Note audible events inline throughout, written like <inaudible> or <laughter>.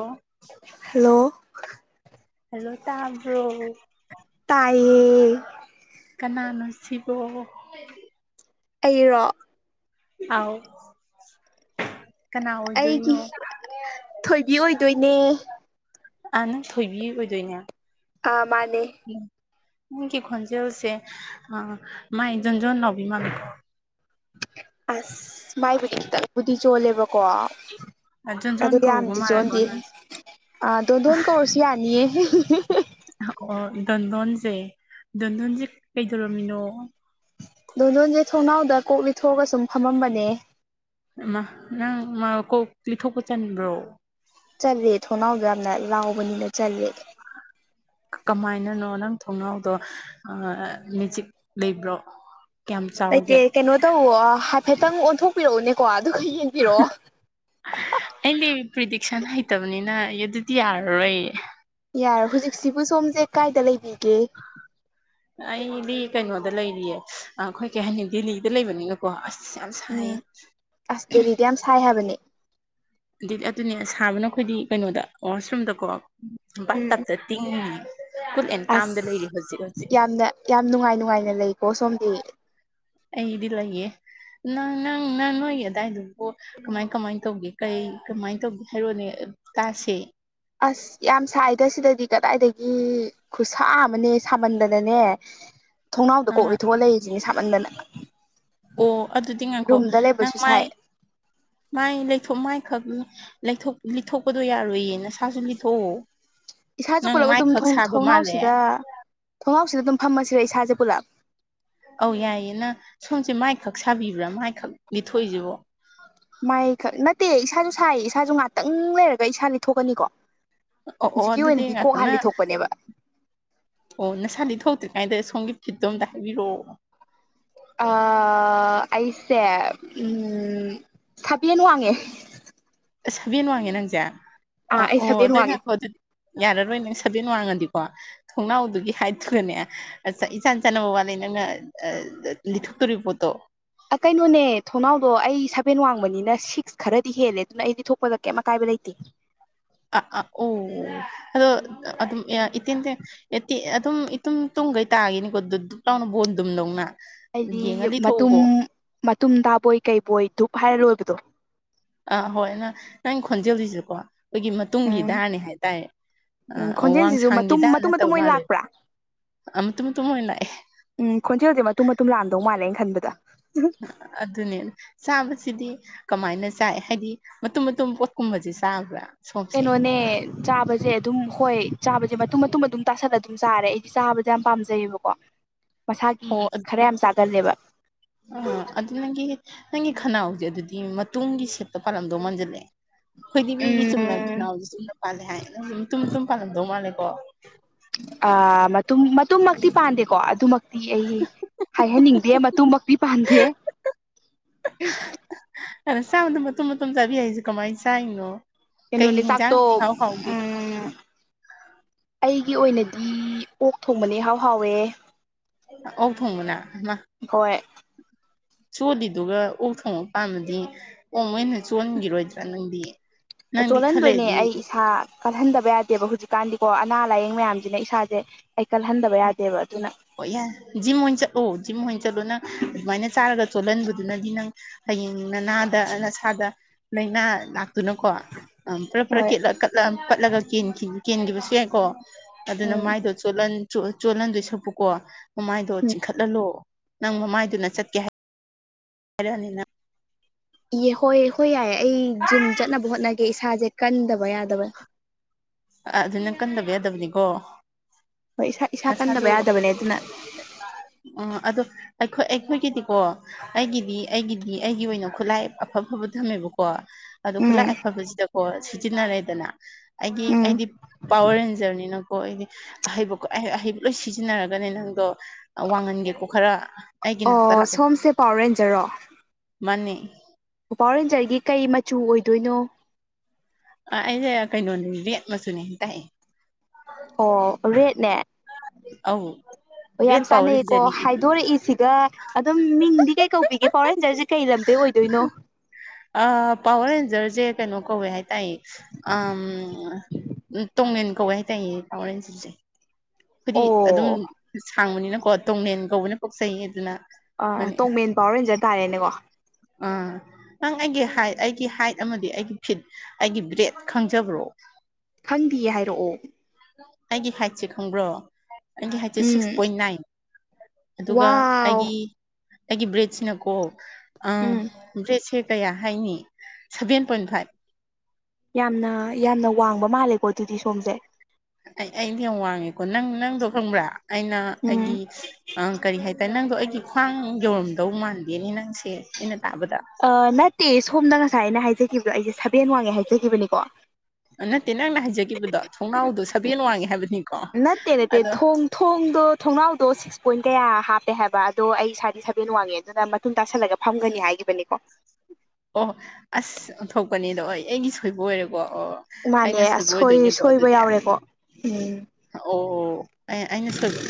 ꯑꯣ hello hello ꯇꯥꯕ꯭ꯔꯣ ꯇꯥꯏꯌꯦ ꯀꯅꯥꯅꯣ ꯁꯤꯕꯣ ꯑꯩꯔꯣ ꯑꯥꯎ ꯀꯅꯥ ꯑꯣꯏꯗꯣꯏꯅꯣ ꯑꯩꯒꯤ ꯊꯣꯏꯕꯤ ꯑꯣꯏꯗꯣꯏꯅꯦ ꯑꯥ ꯅꯪ ꯊꯣꯏꯕꯤ ꯑꯣꯏꯗꯣꯏꯅꯦ ꯑ ꯃꯥꯅꯦ ꯅꯪꯒꯤ ꯈꯣꯟꯖꯦꯜꯁꯦ ꯃꯥꯏ ꯖꯣꯟꯖꯣꯟ ꯂꯥꯎꯕꯤ ꯃꯥꯃꯤꯀꯣ ꯑꯁ ꯃꯥꯏꯕꯨꯗꯤ ꯈꯤꯇꯪꯕꯨꯗꯤ ꯆꯣꯂꯦꯕ ꯀꯣ ꯑꯗꯨ ꯖꯣꯟꯖꯣꯟ ꯀꯧꯕ ꯌꯥꯝꯗꯤ ꯃꯥꯜꯂꯦꯀꯣ ꯆꯣꯟꯗꯤꯦ ꯅꯪꯁꯦ ꯑ ꯗꯣꯟ ꯗꯣꯟ ꯀꯧꯔꯁꯤ ꯌꯥꯅꯤꯌꯦ ꯍꯍꯍꯍ ꯑꯣ ꯗꯟꯙꯣꯟꯁꯦ ꯗꯟꯙꯣꯟꯁꯦ ꯀꯩꯗꯧꯔꯝꯃꯤꯅꯣ ꯑꯗꯣ ꯂꯣꯟꯁꯦ ꯊꯣꯡꯅꯥꯎꯗ ꯀꯣꯛ ꯂꯤꯊꯣꯛꯑꯒ ꯁꯨꯝ ꯐꯝꯃꯝꯕꯅꯦ ꯏꯃ ꯅꯪ ꯃꯥ ꯀꯣꯛ ꯂꯤꯊꯣꯛꯄ ꯆꯟꯕ꯭ꯔꯣ ꯆꯠꯂꯦ ꯊꯣꯡꯅꯥꯎꯗꯣ ꯌꯥꯝꯅ ꯂꯥꯎꯕꯅꯤꯅ ꯆꯠꯂꯦꯣ ꯀꯃꯥꯏꯅꯅꯣ ꯅꯪ ꯊꯣꯡꯅꯥꯎꯗꯣ ꯃꯦꯆꯤꯛ ꯂꯩꯕ꯭ꯔꯣ ꯀꯌꯥꯝ ꯂꯩꯇꯦ ꯆꯥꯎꯒꯦ ꯀꯩꯅꯣ ꯇꯧꯋ ꯍꯥꯏꯐꯦꯠꯇꯪ ꯑꯣꯟꯊꯣꯛꯄꯤꯔꯛꯎꯅꯦꯀꯣ ꯑꯗꯨꯒ ꯌꯦꯡ ꯀꯔꯣꯑꯣ ꯑꯩꯗꯤ ꯄ꯭ꯔꯤꯗꯤꯛꯁꯟ ꯍꯩꯇꯕꯅꯤꯅ ꯑꯗꯨꯗꯤ ꯌꯥꯔꯔꯣꯏ ꯌꯥꯔꯦ ꯍꯧꯖꯤꯛꯁꯤꯕꯨ ꯁꯣꯝꯁꯦ ꯀꯥꯏꯗ ꯂꯩꯕꯤꯒꯦ ꯑꯩꯗꯤ ꯀꯩꯅꯣꯗ ꯂꯩꯔꯤꯌꯦ ꯑꯩꯈꯣꯏ ꯀꯩ ꯍꯥꯏꯅꯤ ꯗꯤꯜꯂꯤꯗ ꯂꯩꯕꯅꯤꯅ ꯀꯣ ꯑꯁ ꯌꯥꯝ ꯁꯥꯏꯌꯦ ꯎꯝ ꯑꯁ ꯗꯦꯜꯂꯤꯗ ꯌꯥꯝ ꯁꯥꯏ ꯍꯥꯏꯕꯅꯦ ꯑꯗꯨꯗꯤ ꯑꯗꯨꯅꯦ ꯁꯥꯕꯅ ꯑꯩꯈꯣꯏꯗꯤ ꯀꯩꯅꯣꯗ ꯋꯥꯁꯔꯨꯝꯗꯀꯣ ꯕꯥ ꯎꯝ ꯇꯞꯇ ꯇꯤꯡꯉꯤ ꯨꯀꯨꯜ ꯑꯦꯟ ꯀꯥꯝꯗ ꯑꯁ ꯂꯩꯔꯤ ꯍꯧꯖꯤꯛ ꯍꯧꯖꯤꯛ ꯌꯥꯝꯅ ꯌꯥꯝ ꯅꯨꯡꯉꯥꯏ ꯅꯨꯡꯉꯥꯏꯅ ꯂꯩꯀꯣ ꯁꯣꯝꯗꯤ ꯑꯩꯗꯤ ꯂꯩꯌꯦ ꯅꯪ ꯅꯪ ꯅꯪ ꯅꯣꯏꯒꯤ ꯑꯗꯨꯗꯥꯋꯥꯏꯗꯨꯕꯨ ꯀꯃꯥꯏ ꯀꯃꯥꯏ ꯇꯧꯒꯦ ꯀꯩ ꯀꯃꯥꯏꯅ ꯇꯧꯒꯦ ꯍꯥꯏꯔꯣꯅꯦ ꯇꯥꯁꯦ ꯑꯁ ꯌꯥꯝ ꯁꯥꯏꯗ ꯁꯤꯗꯗꯤ ꯀꯗꯥꯏꯗꯒꯤ ꯈꯨꯠꯁꯥ ꯑꯃꯅꯦ ꯁꯥꯃꯟꯗꯅꯅꯦ ꯊꯣꯡꯅꯥꯎꯗ ꯀꯣꯛ ꯑꯥ ꯂꯤ ꯊꯣꯛꯑ ꯂꯩꯔꯤꯁꯤꯅꯦ ꯁꯥꯃꯟꯗꯅ ꯑꯣ ꯑꯗꯨꯗꯤ ꯉꯥꯡꯈꯣ ꯔꯨꯝꯗ ꯅꯪ ꯂꯩꯕꯁꯨ ꯃꯥꯏ ꯁꯥꯏ ꯃꯥꯏ ꯂꯩꯊꯣꯛ ꯃꯥꯏꯈꯛ ꯂꯩꯊꯣꯛ ꯂꯤꯠꯊꯣꯛꯄꯗꯣ ꯌꯥꯔꯣꯏꯌꯦ ꯅꯁꯥꯁꯨ ꯂꯤꯠꯊꯣꯛꯑꯣ ꯏꯁꯥꯁꯨ ꯅꯪ ꯄꯨꯜꯂꯞ ꯑꯗꯨꯝ ꯃꯥꯏꯈꯛ ꯁꯥꯕ ꯃꯥꯜꯂꯦ ꯊꯣꯡꯅꯥꯎꯁꯤꯗ ꯊꯣꯡꯅꯥꯎꯁꯤꯗ ꯑꯗꯨꯝ ꯐꯝꯃꯁꯤꯔ ꯏꯁꯥꯁꯦ ꯄꯨꯂꯞ ꯑꯧ ꯌꯥꯏꯌꯦꯅ ꯁꯣꯝꯁꯦ ꯃꯥꯏꯈꯛ ꯁꯥꯕꯤꯕ꯭ꯔꯥ ꯃꯥꯏꯈꯛ ꯂꯤꯊꯣꯛꯏꯁꯤꯕꯣ ꯃꯥꯏꯈꯛ ꯅꯠꯇꯦ ꯏꯁꯥꯁꯨ ꯁꯥꯏ ꯏꯁꯥꯁꯨ ꯉꯍꯥꯛꯇꯪ ꯂꯩꯔꯒ ꯏꯁꯥ ꯂꯤꯊꯣꯛꯀꯅꯤꯀꯣ ꯑꯣ ꯑꯣ ꯍꯧꯖꯤꯛꯀꯤ ꯑꯗꯨꯗꯤ ꯑꯣꯏꯅꯗꯤ ꯉꯥꯏꯈꯣ ꯀꯣꯛ ꯅꯪ ꯍꯥꯜꯂꯤ ꯊꯣꯛꯄꯅꯦꯕ ꯑꯣ ꯅꯁꯥꯗꯤ ꯊꯣꯛꯇ꯭ꯔꯤ ꯀꯥꯏꯗ ꯁꯣꯝꯒꯤ ꯐꯤꯠꯇꯣ ꯑꯝꯇ ꯍꯥꯏꯕꯤꯔꯛꯑꯣ ꯑ ꯑꯩꯁꯦ ꯎꯝ ꯁꯥꯕꯦꯟ ꯋꯥꯡꯉꯦ ꯑꯁ ꯁꯥꯕꯦꯟ ꯋꯥꯡꯉꯦ ꯅꯪꯁꯦ ꯑ ꯑꯥ ꯑꯩ ꯑꯣ ꯁꯥꯕꯦꯟ ꯑꯗꯨꯏ ꯋꯥꯡꯉꯦ ꯅ ꯍꯥꯏꯀꯣ ꯑꯗꯨꯗꯤ ꯌꯥꯔꯔꯣꯏ ꯅꯪ ꯁꯕꯦꯟ ꯋꯥꯡꯉꯗꯤꯀꯣ ꯊꯣꯡꯅꯥꯎꯗꯨꯒꯤ ꯍꯥꯏꯠꯇꯨꯒꯅꯦ ꯏꯆꯥꯟ ꯆꯥꯟꯅꯕ ꯋꯥꯠꯂꯤ ꯅꯪꯅ ꯂꯤꯊꯣꯛꯇꯣꯔꯤ ꯄꯣꯠꯇꯣ ꯑꯥ ꯀꯩꯅꯣꯅꯦ ꯊꯣꯡꯅꯥꯎꯗꯣ ꯑꯩ ꯁꯕꯦꯟ ꯋꯥꯡꯕꯅꯤꯅ ꯁꯤꯛꯁ ꯈꯔꯗꯤ ꯍꯦꯜꯂꯦ ꯑꯗꯨꯅ ꯑꯩꯗꯤ ꯊꯣꯛꯄꯗ ꯀꯩꯝ ꯑꯀꯥꯏꯕ ꯂꯩꯇꯦ ꯑꯥ ꯑꯥ ꯑꯣ ꯑꯗꯣ ꯑꯗꯨ ꯏꯇꯤꯟ ꯌꯦꯠꯇꯤ ꯑꯗꯨꯝ ꯏꯇꯨꯝ ꯇꯨꯡꯒꯩ ꯇꯥꯒꯤꯅꯤꯀꯣ ꯑꯗꯨ ꯗꯨꯕ ꯂꯥꯎꯅ ꯕꯣꯟꯗꯨꯝꯗꯧꯅ ꯑꯩꯗꯤ ꯃꯇꯨꯝ ꯃꯇꯨꯝ ꯇꯥꯕꯣꯏ ꯀꯩꯕꯣꯏ ꯙꯨꯞ ꯍꯥꯏꯔ ꯂꯣꯏꯕꯗꯣ ꯑꯥ ꯍꯣꯏ ꯅ ꯅꯪ ꯈꯣꯟꯖꯦꯜ ꯖꯤꯁꯨꯀꯣ ꯑꯩꯈꯣꯏꯒꯤ ꯃꯇꯨꯡꯒꯤ ꯎꯝ ꯗꯥꯔꯅꯦ ꯍꯥꯏꯇꯥꯏ ꯎꯝ ꯈꯣꯟꯖꯦꯜꯁꯤꯁꯨ ꯋꯥꯡꯁꯥꯡꯒꯤ ꯃꯇꯨꯝ ꯗꯥꯔ ꯃꯇꯨꯝ ꯃꯇꯨꯝ ꯅꯠꯇꯕ ꯑꯣꯏꯅ ꯃꯥꯜꯂꯦ ꯂꯥꯛꯄ꯭ꯔꯥ ꯑꯃ ꯃꯇꯨꯡ ꯇꯨꯝ ꯑꯣꯏꯅ ꯂꯥꯛꯑꯦ ꯎꯝ ꯈꯣꯟꯖꯦꯜꯖꯦ ꯃꯇꯨꯝ ꯃꯇꯨꯝ ꯂꯥꯛꯑꯝꯗꯧ ꯃꯥꯜꯂꯦ ꯑꯩ ꯈꯟꯕꯗ ꯑꯗꯨꯅꯦ ꯆꯥꯕꯁꯤꯗꯤ ꯀꯃꯥꯏꯅ ꯆꯥꯏ ꯍꯥꯏꯗꯤ ꯃꯇꯨꯝ ꯃꯇꯨꯝ ꯄꯣꯠꯀꯨꯝꯕꯖꯤ ꯆꯥꯕ꯭ꯔꯥ ꯁꯣꯝꯁꯦ ꯀꯩꯅꯣꯅꯦ ꯆꯥꯕꯖꯦ ꯑꯗꯨꯝ ꯍꯣꯏ ꯆꯥꯕꯖꯦ ꯃꯇꯨꯝ ꯃꯇꯨꯝ ꯑꯗꯨꯝ ꯇꯥꯁꯜꯂꯒ ꯑꯗꯨꯝ ꯆꯥꯔꯦ ꯑꯩꯗꯤ ꯆꯥꯕꯖꯦ ꯌꯥꯝ ꯄꯥꯝꯖꯩꯌꯦꯕꯀꯣ ꯃꯁꯥꯒꯤ ꯑꯣ ꯈꯔ ꯌꯥꯝ ꯆꯥꯒꯜꯂꯦꯕ ꯑꯥ ꯑꯗꯨ ꯅꯪꯒꯤ ꯅꯪꯒꯤ ꯈꯅꯥꯎꯖꯦ ꯑꯗꯨꯗꯤ ꯃꯇꯨꯡꯒꯤ ꯁꯦꯠꯇ ꯄꯥꯜꯂꯝꯗꯧ ꯃꯥꯟꯖꯜꯂꯛꯑꯦ ꯑꯩꯈꯣꯏꯗꯤ ꯃꯤꯒꯤ ꯆꯨꯝꯅ ꯎꯝ ꯈꯅꯥꯎꯖꯦ ꯆꯨꯝꯅ ꯄꯥꯜꯂꯦ ꯍꯥꯏ ꯅꯪꯗꯤ ꯃꯇꯨꯝ ꯃꯇꯨꯝ ꯄꯥꯜꯂꯝꯗꯧ ꯃꯥꯜꯂꯦꯀꯣ ꯑꯥ ꯃꯇꯨꯡ ꯃꯇꯃꯛꯇꯤ ꯄꯥꯟꯗꯦꯀꯣ ꯑꯗꯨꯃꯛ ꯇꯤ ꯑꯩ ꯍꯥꯏꯍꯟꯅꯤꯡꯗꯦ ꯃꯇꯨꯡꯃꯛꯇꯤ ꯄꯥꯟꯗꯦ ꯑꯗꯣ ꯆꯥꯕꯗꯣ ꯃꯇꯨꯝ ꯃꯇꯨꯝ ꯆꯥꯕꯤ ꯍꯥꯏꯁꯦ ꯀꯃꯥꯏꯅ ꯆꯥꯔꯤꯅꯣ ꯀꯩꯅꯣꯅꯤ ꯆꯥꯛꯇꯣ ꯎꯝ ꯑꯩꯒꯤ ꯑꯣꯏꯅꯗꯤ ꯑꯣꯛ ꯊꯣꯡꯕꯅ ꯏꯍꯥꯎ ꯍꯥꯎꯋꯦ ꯑꯣꯛ ꯊꯣꯡꯕꯅꯥ ꯍꯣꯏ ꯁꯣꯂꯤꯗꯨꯒ ꯑꯣꯛ ꯊꯣꯡ ꯄꯥꯝꯃꯗꯤ ꯑꯣ ꯃꯣꯏꯅ ꯆꯣꯟꯒꯤꯔꯣꯏꯗ꯭ꯔꯥ ꯅꯪꯗꯤ ꯅꯪꯗꯤ ꯈꯔ ꯆꯣꯜꯍꯟꯗꯣꯏꯅꯦ ꯂꯩꯔꯗꯤ ꯑꯩ ꯏꯁꯥ ꯀꯜꯍꯟꯗꯕ ꯌꯥꯗꯦꯕ ꯍꯧꯖꯤꯛꯀꯥꯟꯗꯤꯀꯣ ꯑꯅꯥ ꯂꯥꯏꯌꯦꯡ ꯃꯌꯥꯝꯖꯤꯅ ꯏꯁꯥꯖꯦ ꯑꯩꯩ ꯀꯜꯍꯟꯗꯕ ꯌꯥꯗꯦꯕ ꯑꯗꯨꯅ ꯑꯣ ꯌꯥꯟ ꯖꯤꯝ ꯑꯣꯏꯅ ꯆꯠꯂꯣ ꯖꯤꯝ ꯑꯣꯏꯅ ꯆꯠꯂꯣ ꯅꯪ ꯑꯗꯨꯃꯥꯏꯅ ꯆꯥꯔꯒ ꯆꯣꯜꯍꯟꯕꯗꯨꯅꯗꯤ ꯅꯪ ꯍꯌꯦꯡ ꯅꯅꯥꯗ ꯅꯁꯥꯗ ꯂꯥꯏꯅꯥ ꯂꯥ ꯑꯗꯨꯅꯀꯣ ꯄꯔꯞ ꯄꯔꯞ ꯍꯣꯏ ꯀꯠꯂꯒ ꯄꯠꯂꯒ ꯀꯦꯟꯈꯤ ꯀꯦꯟꯒꯤꯕꯁꯨ ꯌꯥꯏꯀꯣ ꯑꯗꯨꯅ ꯎꯝ ꯃꯥꯏꯗꯣ ꯆꯣꯠꯂꯟ ꯆꯣꯠꯍꯟꯗꯣꯏ ꯁꯔꯨꯛꯄꯨꯀꯣ ꯃꯃꯥꯏꯗꯣ ꯆꯤꯡꯈꯠꯍꯜꯂꯣ ꯅꯪ ꯃꯃꯥꯏꯗꯨꯅ ꯆꯠꯀꯦ ꯍꯥꯏ ꯍꯥꯏꯔꯅꯤ ꯅꯪ ꯏꯌꯦ ꯍꯣꯏ ꯍꯣꯏ ꯌꯥꯏꯌꯦ ꯑꯩ ꯖꯤꯝ ꯆꯠꯅꯕ ꯍꯣꯠꯅꯒꯦ ꯏꯁꯥꯖꯦ ꯀꯟꯗꯕ ꯌꯥꯗꯕ ꯑꯗꯨ ꯅꯪ ꯀꯟꯗꯕ ꯌꯥꯗꯕꯅꯤꯀꯣ ꯍꯣꯏ ꯏꯁꯥ ꯏꯁꯥ ꯀꯟꯗꯕ ꯌꯥꯗꯕꯅꯦ ꯑꯗꯨꯅ ꯑꯥ ꯑꯗꯣ ꯑꯩꯈꯣꯏ ꯑꯩꯈꯣꯏꯒꯤꯗꯤꯀꯣ ꯑꯩꯒꯤꯗꯤ ꯑꯩꯒꯤꯗꯤ ꯑꯩꯒꯤ ꯑꯣꯏꯅ ꯈꯨꯠꯂꯥꯏ ꯑꯐꯥ ꯐꯕ ꯊꯝꯃꯦꯕꯀꯣ ꯀꯣ ꯑꯗꯣ ꯎꯝ ꯈꯨꯠꯂꯥꯏ ꯑꯐꯕꯁꯤꯗꯀꯣ ꯁꯤꯖꯤꯟꯅꯔꯦꯗꯅ ꯑꯩꯒꯤ ꯎꯝ ꯑꯩꯗꯤ ꯄꯋꯔ ꯔꯦꯟꯖꯔꯅꯤꯅꯀꯣ ꯑꯩꯗꯤ ꯑꯍꯩꯕ ꯑꯍꯩ ꯑꯍꯩꯕ ꯂꯣꯏ ꯁꯤꯖꯤꯟꯅꯔꯒꯅꯦ ꯅꯪꯗꯣ ꯋꯥꯡꯍꯟꯒꯦꯀꯣ ꯈꯔ ꯑꯩꯒꯤ ꯅꯥꯛꯇ ꯑꯣ ꯂꯥꯛꯑꯣ ꯁꯣꯝꯁꯦ ꯄꯋꯥꯔ ꯃꯥꯅꯦ ꯄꯥꯎꯋꯔ ꯔꯦꯟꯖꯔꯒꯤ ꯀꯩ ꯃꯆꯨ ꯑꯣꯏꯗꯣꯏꯅꯣ ꯑꯥ ꯑꯩꯖꯦ ꯀꯩꯅꯣꯅꯤ ꯔꯦꯠ ꯃꯆꯨꯅꯦ ꯇꯥꯏꯌꯦ ꯑꯣ ꯔꯦꯠꯅꯦ ꯑꯧ ꯑꯣ ꯌꯥꯝ ꯔꯦꯠ ꯄꯋꯥꯔ ꯆꯥꯟꯅꯩꯌꯦꯀꯣ ꯔꯦꯟꯖꯔꯅꯤ ꯑꯩꯗꯤ ꯍꯥꯏꯗꯣꯔꯛꯏꯁꯤꯒ ꯑꯗꯨꯝ ꯃꯤꯡꯗꯤ ꯀꯩ ꯀꯧꯕꯤꯒꯦ ꯄꯥꯎꯔ ꯍꯦꯟꯖꯔꯖꯦ ꯀꯩ ꯂꯝꯗꯩ ꯑꯣꯏꯗꯣꯏꯅꯣ ꯑꯥ ꯄꯋꯥꯔ ꯔꯦꯟꯖꯔꯖꯦ ꯀꯩꯅꯣ ꯀꯧꯋꯦ ꯍꯥꯏ ꯇꯥꯏ ꯎꯝ ꯇꯣꯡꯡꯂꯦꯟ ꯀꯧꯋꯏ ꯍꯥꯏ ꯇꯥꯏꯌꯦ ꯊꯥꯎꯔꯦꯟꯁꯤꯁꯦ꯫ ꯑꯩꯈꯣꯏꯗꯤ ꯑꯗꯨꯝ ꯑꯣ ꯁꯥꯡꯕꯅꯤꯅꯀꯣ ꯇꯣꯡꯡꯂꯦꯟ ꯀꯧꯕꯅ ꯄꯣꯛꯆꯩ ꯑꯗꯨꯅ ꯑ ꯃꯅꯤ ꯇꯣꯡꯃꯦꯟ ꯄꯋꯥꯔ ꯍꯦꯟꯖꯔ ꯇꯥꯔꯦꯅꯦꯀꯣ ꯑꯥ ꯅꯪ ꯑꯩꯒꯤ ꯍꯥꯏ ꯑꯩꯒꯤ ꯍꯥꯏꯠ ꯑꯃꯗꯤ ꯑꯩꯒꯤ ꯐꯤꯠ ꯑꯩꯒꯤ ꯕ꯭ꯔꯦꯠ ꯈꯪꯖꯕ꯭ꯔꯣ? ꯈꯪꯗꯦ ꯍꯥꯏꯔꯛꯑꯣ ꯑꯩꯒꯤ ꯍꯥꯏꯠꯁꯦ ꯈꯪꯕ꯭ꯔꯣ? ꯑꯩꯒꯤ ꯍꯥꯏꯁꯦ ꯎꯝ ꯁꯤꯛꯁ ꯄꯣꯏꯟ ꯅꯥꯏꯟ ꯑꯗꯨꯒ ꯋꯥꯎ ꯑꯩꯒꯤ ꯑꯩꯒꯤ ꯔꯦꯖꯅ ꯀꯣ ꯑ ꯎꯝ ꯔꯦꯖ ꯁꯦ ꯀꯌꯥ ꯍꯥꯏꯅꯤ ꯁꯚꯦꯟ ꯄꯣꯏꯟ ꯐꯥꯏꯚ꯫ ꯌꯥꯝꯅ ꯌꯥꯝꯅ ꯋꯥꯡꯕ ꯃꯥꯜꯂꯦꯀꯣ ꯑꯗꯨꯗꯤ ꯁꯣꯝꯁꯦ꯫ ꯑꯩ ꯑꯩꯗꯤ ꯌꯥꯝ ꯋꯥꯡꯉꯦꯀꯣ ꯅꯪ ꯅꯪꯗꯣ ꯈꯪꯕ꯭ꯔꯥ ꯑꯩꯅ ꯎꯝ ꯑꯩꯒꯤ ꯑ ꯀꯔꯤ ꯍꯥꯏꯇꯥꯔꯦ ꯅꯪꯗꯣ ꯑꯩꯒꯤ ꯈ꯭ꯋꯥꯡ ꯌꯧꯔꯝꯗꯧ ꯃꯥꯟꯗꯦꯅꯦ ꯅꯪꯁꯦ ꯑꯩꯅ ꯇꯥꯕꯗ ꯑ ꯅꯠꯇꯦ ꯁꯣꯝꯗ ꯉꯁꯥꯏ ꯑꯩꯅ ꯍꯥꯏꯖꯒꯤꯈꯤꯕꯗꯣ ꯑꯩꯁꯦ ꯁꯕꯦꯟ ꯋꯥꯡꯉꯦ ꯍꯥꯏꯖꯒꯤꯕꯅꯤꯀꯣ ꯅꯠꯇꯦ ꯅꯪꯅ ꯍꯥꯏꯖꯕꯗꯣ ꯊꯣꯡꯅꯥꯎꯗꯣ ꯁꯕꯦꯟ ꯋꯥꯡꯉꯦ ꯍꯥꯏꯕꯅꯤꯀꯣ ꯅꯠꯇꯦ ꯅꯠꯇꯦ ꯑꯗꯣ ꯊꯣꯡ ꯊꯣꯡꯗꯣ ꯊꯣꯡꯅꯥꯎꯗꯣ ꯁꯤ ꯁꯤꯛꯁ ꯄꯣꯏꯟ ꯀꯌꯥ ꯍꯥꯞꯄꯦ ꯍꯥꯏꯕ ꯑꯗꯣ ꯑꯩ ꯏꯁꯋꯥꯗꯤ ꯁꯕꯦꯟ ꯋꯥꯡꯉꯦ ꯑꯗꯨꯅ ꯃꯇꯨꯡ ꯇꯥꯁꯜꯂꯒ ꯐꯝꯒꯅꯤ ꯍꯥꯏꯒꯤꯈꯤꯕꯅꯤꯀꯣ ꯑꯣꯣ ꯑꯁ ꯑꯣꯟꯊꯣꯛꯀꯅꯦꯗꯣ ꯍ ꯑꯩꯒꯤ ꯁꯣꯏꯕ ꯑꯣꯏꯔꯦꯀꯣ ꯑꯣ ꯃꯥꯅꯦ ꯑꯩꯅ ꯁꯣꯏꯕ ꯑꯣꯏ ꯑꯣꯏꯗꯣꯏꯅꯦꯀꯣ ꯁꯣꯏꯕ ꯑꯗꯨꯗꯤ ꯌꯥꯎꯔꯦꯀꯣ ꯎꯝ ꯑꯣ ꯑꯩ ꯑꯩꯅ ꯁꯣꯏꯕ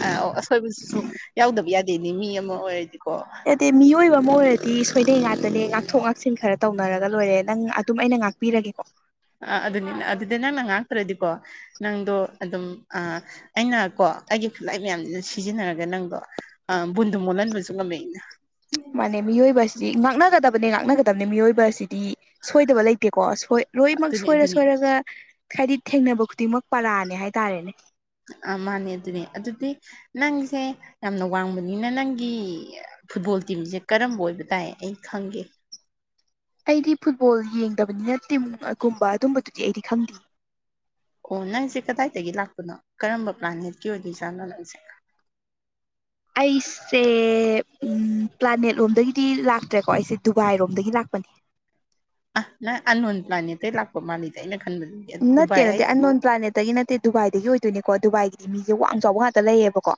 ꯑꯁꯣꯏꯕꯁꯤꯁꯨ ꯌꯥꯎꯗꯕ ꯌꯥꯗꯦꯅꯦ ꯃꯤ ꯑꯃ ꯑꯣꯏꯔꯗꯤꯀꯣ ꯗꯤ ꯃꯤꯑꯣꯏꯕ ꯑꯃ ꯑꯣꯏꯔꯗꯤ ꯁꯣꯏꯗꯩ ꯉꯥꯛꯇꯅꯦ ꯉꯥꯛꯊꯣꯛ ꯉꯥꯛꯁꯤꯟ ꯈꯔ ꯇꯧꯅꯔꯒ ꯂꯣꯏꯔꯦ ꯅꯪ ꯑꯗꯨꯝ ꯑꯩꯅ ꯉꯥꯛ ꯄꯤꯔꯒꯦꯀꯣ ꯑ ꯑꯗꯨꯅꯤ ꯑꯗꯨꯗꯤ ꯅꯪꯅ ꯉꯥꯛꯇ꯭ꯔꯗꯤꯀꯣ ꯅꯪꯗꯣ ꯑꯗꯨꯝ ꯑꯩꯅ ꯀꯣ ꯑꯩꯒꯤ ꯈꯨꯠꯂꯥꯏ ꯃꯌꯥꯝꯁꯤꯅ ꯁꯤꯖꯤꯟꯅꯔꯒ ꯅꯪꯗꯣ ꯑ ꯕꯨꯗꯨ ꯃꯣꯂꯅꯕꯁꯨꯒ ꯃꯩꯅ ꯅꯦ ꯃꯤꯑꯣꯏꯕꯁꯤꯗꯤ ꯉꯥꯛꯅꯒꯗꯕꯅꯦ ꯉꯥꯛꯅꯒꯗꯕꯅꯦ ꯃꯤꯑꯣꯏꯣꯏꯕꯁꯤꯗꯤ꯫ ꯁꯣꯏꯗꯕ ꯂꯩꯇꯦꯀꯣꯣꯏ ꯂꯣꯏꯅꯃꯛ ꯑꯗꯨꯅꯤ ꯁꯣꯏꯔ ꯑꯗꯨꯅꯤ ꯁꯣꯏꯔꯒ ꯍꯥꯏꯗꯤ ꯊꯦꯡꯅꯕ ꯈꯨꯗꯤꯡꯃꯛ ꯄꯔꯥꯅꯦ ꯍꯥꯏꯇꯥꯔꯦꯅꯦ꯫ ꯑ ꯃꯥꯅꯦ ꯑꯗꯨꯅꯦ ꯑꯗꯨꯗꯤ ꯅꯪꯁꯦ ꯌꯥꯝꯅ ꯋꯥꯡꯕꯅꯤꯅ ꯅꯪꯒꯤ ꯐꯨꯠꯕꯣꯜ ꯇꯤꯝꯁꯦ ꯀꯔꯝꯕ ꯑꯣꯏꯕ ꯇꯥꯏ ꯑꯩ ꯈꯪꯒꯦ꯫ ꯑꯩꯗꯤ ꯐꯨꯠꯕꯣꯜ ꯌꯦꯡꯗꯕꯅꯤꯅ ꯇꯤꯝꯒꯨꯝꯕ ꯑꯗꯨꯝꯕꯗꯨꯗꯤ ꯑꯩꯗꯤ ꯈꯪꯗꯦ꯫ ꯑꯣ ꯅꯪꯁꯦ ꯀꯗꯥꯏꯗꯒꯤ ꯂꯥꯛꯄꯅꯣ ꯀꯔꯝꯕ ꯄ꯭ꯂꯥꯅꯦꯠꯀꯤ ꯑꯣꯏꯗꯣꯏꯖꯥꯠꯅꯣ ꯅꯪꯁꯦ꯫ ꯑꯩꯁꯦ ꯎ ꯄ꯭ꯂꯥꯅꯦꯠ ꯂꯣꯝꯗꯒꯤꯗꯤ ꯂꯥꯛꯇ꯭ꯔꯦꯀꯣ ꯑꯩꯁꯦ ꯗꯨꯕꯥꯏꯔꯣꯝꯗꯒꯤ ꯂꯥꯛꯄꯅꯤ꯫ ꯑꯍ ꯅꯪ ꯑꯟꯟ ꯄ꯭ꯂꯥꯅꯦ ꯑꯇꯩ ꯂꯥꯛꯄ ꯃꯥꯜꯂꯤꯗꯤ ꯑꯩꯅ ꯈꯟꯕꯗ ꯅꯠꯇꯦ ꯅꯠꯇꯦ ꯑꯅꯣꯟꯟ ꯄꯂꯥꯟꯅꯦꯠ ꯇꯒꯤ ꯅꯠꯇꯦ ꯗꯨꯕꯥꯏꯗꯒꯤ ꯑꯣꯏꯗꯣꯏꯅꯤꯀꯣ ꯗꯨꯕꯥꯏꯗꯗꯤ ꯃꯤꯁꯦ ꯋꯥꯡ ꯆꯥꯎꯕ ꯉꯥꯛꯇ ꯂꯩꯌꯦꯕꯀꯣ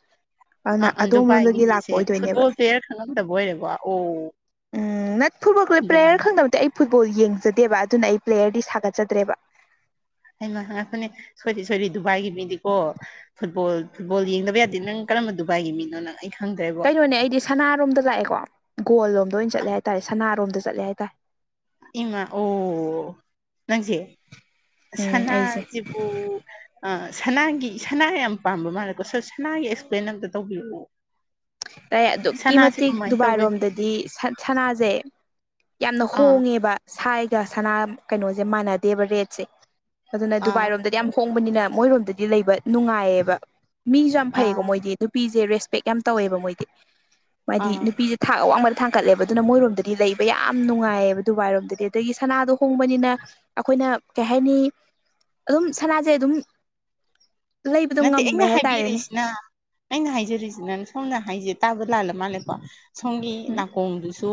ꯑ ꯑꯗꯨꯅ ꯑꯟ ꯗꯨꯕꯥꯏꯒꯤ ꯑꯗꯣꯝꯂꯣꯝꯗꯒꯤ ꯂꯥꯛꯄ ꯃꯤꯁꯦ ꯑꯣꯏꯗꯣꯏꯅꯦꯕ ꯐꯨꯠꯕꯣꯜ ꯄ꯭ꯂꯦꯌꯔ ꯈꯪꯉꯝꯗꯕ ꯑꯣꯏꯔꯦꯀꯣ ꯑꯣ ꯎꯝ ꯅꯠ ꯐꯨꯠꯕꯣ ꯗꯨꯕꯥꯏ ꯄ꯭ꯂꯦꯌꯔ ꯈꯪꯗꯕ ꯅꯠꯇꯦ ꯑꯩ ꯐꯨꯠꯕꯣꯜ ꯌꯦꯡꯖꯗꯦꯕ ꯑꯗꯨꯅ ꯑꯩ ꯄ꯭ꯂꯦꯌꯔꯗꯤ ꯁꯥꯒꯠꯆꯗ꯭ꯔꯦꯕ ꯍꯩꯃꯥ ꯉꯥꯏꯈꯣꯅꯦ ꯁꯣꯔꯤ ꯁꯣꯔꯤ ꯗꯨꯕꯥꯏꯒꯤ ꯃꯤꯗꯤꯀꯣ ꯐꯨꯠꯕꯣꯜ ꯐꯨꯠꯕꯣꯜ ꯌꯦꯡꯗꯕ ꯌꯥꯗꯦ ꯅꯪ ꯀꯔꯝꯕ ꯗꯨꯕꯥꯏꯒꯤ ꯃꯤꯅꯣ ꯅꯪ ꯑꯩ ꯈꯪꯗ꯭ꯔꯦꯕ ꯍꯣꯏꯅꯦ ꯑꯩꯗꯤ ꯁꯅꯥꯔꯣꯝꯗ ꯂꯥꯛꯑꯦꯀꯣ ꯒꯣꯜ ꯂꯣꯝꯗ ꯑꯣꯏꯅ ꯆꯠꯂꯦ ꯍꯥꯏꯇꯥꯔꯦ ꯁꯅꯥꯔꯣꯝꯗ ꯆꯠꯂꯦ ꯍꯥꯏꯇꯥꯔꯦ ꯏꯃꯥ ꯑꯣ ꯅꯪꯁꯦ ꯎꯝ ꯑꯩꯁꯦ ꯁꯅꯥꯖꯤꯕꯨ ꯑ ꯁꯅꯥꯒꯤ ꯁꯅꯥ ꯌꯥꯝ ꯄꯥꯝꯕ ꯃꯥꯜꯂꯦꯀꯣ ꯁꯣ ꯁꯅꯥꯒꯤ ꯑꯦꯛꯁꯄ꯭ꯂꯦꯟ ꯑꯝꯇ ꯇꯧꯕꯤꯔꯛꯑꯣ ꯑꯗꯨꯛꯀꯤ ꯁꯅꯥꯁꯦ ꯃꯇꯤꯛ ꯀꯃꯥꯏꯅ ꯇꯧꯋꯦ ꯗꯨꯕꯥꯏꯔꯣꯝꯗꯗꯤ ꯁ ꯁꯅꯥꯖꯦ ꯌꯥꯝꯅ ꯑꯥ ꯍꯣꯡꯉꯦꯕ ꯁꯥꯏꯒ ꯁꯅꯥ ꯀꯩꯅꯣꯁꯦ ꯃꯥꯟꯅꯗꯦꯕ ꯔꯦꯠꯁꯦ ꯑꯗꯨꯅ ꯑꯥ ꯗꯨꯕꯥꯏꯔꯣꯝꯗꯗꯤ ꯌꯥꯝ ꯍꯣꯡꯕꯅꯤꯅ ꯃꯣꯏꯔꯣꯝꯗꯗꯤ ꯂꯩꯕ ꯅꯨꯡꯉꯥꯏꯌꯦꯕ꯫ ꯃꯤꯁꯨ ꯌꯥꯝ ꯐꯩꯀꯣ ꯑꯥ ꯃꯣꯏꯗꯤ ꯅꯨꯄꯤꯖꯦ ꯔꯦꯁꯄꯦꯛ ꯌꯥꯝ ꯇꯧꯋꯦꯕ ꯃꯣꯏꯗꯤ ꯃꯥꯏꯗꯤ ꯑꯥ ꯅꯨꯄꯤꯖꯦ ꯊꯥꯛ ꯑꯋꯥꯡꯕꯗ ꯊꯥꯡꯀꯠꯂꯦꯕ ꯑꯗꯨꯅ ꯃꯣꯏꯔꯣꯝꯗꯗꯤ ꯂꯩꯕ ꯌꯥꯝ ꯅꯨꯡꯉꯥꯏꯌꯦꯕ ꯗꯨꯕꯥꯏꯔꯣꯝꯗꯗꯤ ꯑꯗꯒꯤ ꯁꯅꯥꯗꯣ ꯍꯣꯡꯕꯅꯤꯅ ꯑꯩꯈꯣꯏꯅ ꯀꯩ ꯍꯥꯏꯅꯤ ꯑꯗꯨꯝ ꯁꯅꯥꯁꯦ ꯑꯗꯨꯝ ꯂꯩꯕꯗꯣ ꯅꯠꯇꯦ ꯉꯝꯃꯦ ꯑꯩꯅ ꯍꯥꯏꯇꯥꯔꯦꯅꯦ ꯍꯥꯏꯕꯤꯔꯤꯁꯤꯅ ꯑꯩꯅ ꯍꯥꯏꯖꯔꯤꯁꯤꯅ ꯁꯣꯝꯅ ꯍꯥꯏꯖꯦ ꯇꯥꯕ ꯂꯥꯜꯂ ꯃꯥꯜꯂꯦꯀꯣ ꯁꯣꯝꯒꯤ ꯎꯝ ꯅꯥꯀꯣꯡꯗꯨꯁꯨ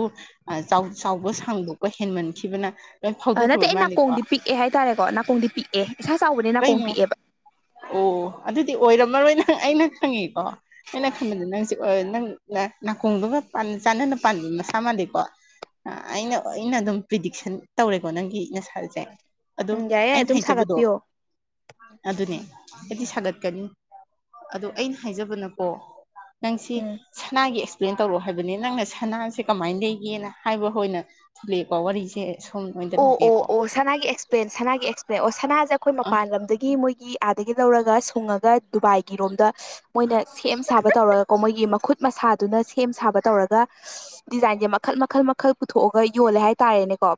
ꯆꯥꯎ ꯆꯥꯎꯕ ꯁꯥꯡꯗꯣꯛꯄ ꯍꯦꯟꯃꯟꯈꯤꯕꯅ ꯂꯣꯏ ꯐꯥꯎꯗꯣꯛꯈ꯭ꯔꯕ ꯃꯥꯅꯦꯀꯣ <unintelligible> ꯑꯦ ꯍꯥꯏꯇꯥꯔꯦꯀꯣ ꯅꯥꯀꯣꯡꯗꯤ ꯄꯤꯛꯑꯦ ꯏꯁꯥ ꯆꯥꯎꯕꯅꯦ ꯅꯥꯀꯣꯡ ꯀꯩꯅꯣ ꯄꯤꯛꯑꯦꯕ ꯑꯣ ꯑꯗꯨꯗꯤ ꯑꯣꯏꯔꯝꯃꯔꯣꯏ ꯅꯪ ꯑꯩꯅ ꯈꯪꯉꯦꯀꯣ ꯑꯩꯅ ꯈꯟꯕꯗ ꯅꯪꯁꯦ <unintelligible> ꯑꯣ ꯅꯪ ꯅꯥꯀꯣꯡꯗꯨꯒ ꯆꯥꯟꯅꯅ ꯄꯥꯟꯕ ꯃꯁꯥ ꯃꯥꯥꯟꯗꯦꯀꯣ ꯑꯥ ꯑꯩꯅ ꯑꯩꯅ ꯑꯗꯨꯝ ꯄ꯭ꯔꯤꯗꯤꯛꯁꯟ ꯇꯧꯔꯦꯀꯣ ꯅꯪꯒꯤ ꯅꯁꯥꯥꯁꯦ ꯑꯗꯨꯝ ꯎꯝ ꯌꯥꯏꯌꯦ ꯑꯩꯅ ꯑꯗꯨꯝ ꯍꯥꯏꯖꯕꯗꯣ ꯁꯥꯒꯠꯄꯤꯌꯣ ꯑꯗꯨꯅꯦ ꯑꯩꯗꯤ ꯁꯥꯒꯠꯀꯅꯤ ꯑꯗꯣ ꯑꯩꯅ ꯍꯥꯏꯖꯕꯅꯀꯣ ꯅꯪꯁꯤ ꯎꯝ ꯁꯅꯥꯒꯤ ꯑꯦꯛꯁ__ ꯑꯦꯄ꯭ꯂꯦꯟ ꯇꯧꯔꯛꯑꯣ ꯍꯥꯏꯕꯅꯤ ꯅꯪꯅ ꯁꯅꯥꯁꯦ ꯀꯃꯥꯏꯟ ꯂꯩꯒꯦꯅ ꯍꯥꯏꯕ ꯑꯣꯏꯅ ꯊꯤꯟꯅꯩꯀꯣ ꯋꯥꯔꯤꯁꯦ ꯁꯣꯝ__ <unintelligible> ꯑꯣ ꯑꯣ ꯑꯣ ꯁꯅꯥꯒꯤ ꯑꯦꯛꯁꯄ꯭ꯂꯦꯟ ꯁꯅꯥꯒꯤ ꯑꯦꯛꯁꯄ꯭ꯂꯦꯟ ꯑꯣ ꯁꯅꯥꯁꯦ ꯑꯩꯈꯣꯏ ꯑ ꯃꯄꯥꯟ ꯂꯝꯗꯒꯤ ꯃꯣꯏꯒꯤ ꯑꯥꯗꯒꯤ ꯂꯧꯔꯒ ꯁꯨꯡꯉꯒ ꯗꯨꯕꯥꯏꯒꯤꯔꯣꯝꯗ ꯃꯣꯏꯅ ꯁꯦꯝ ꯁꯥꯕ ꯇꯧꯔꯒꯀꯣ ꯃꯣꯏꯒꯤ ꯃꯈꯨꯠ <unintelligible> ꯃꯁꯥꯗꯨꯅ ꯁꯦꯝ ꯁꯥꯕ ꯇꯧꯔꯒ ꯗꯤꯖꯥꯏꯟꯁꯦ ꯃꯈꯜ ꯃꯈꯜ ꯃꯈꯜ ꯄꯨꯊꯣꯛꯑꯒ ꯌꯣꯜꯂꯦ ꯍꯥꯏꯇꯥꯔꯦꯅꯦꯀꯣ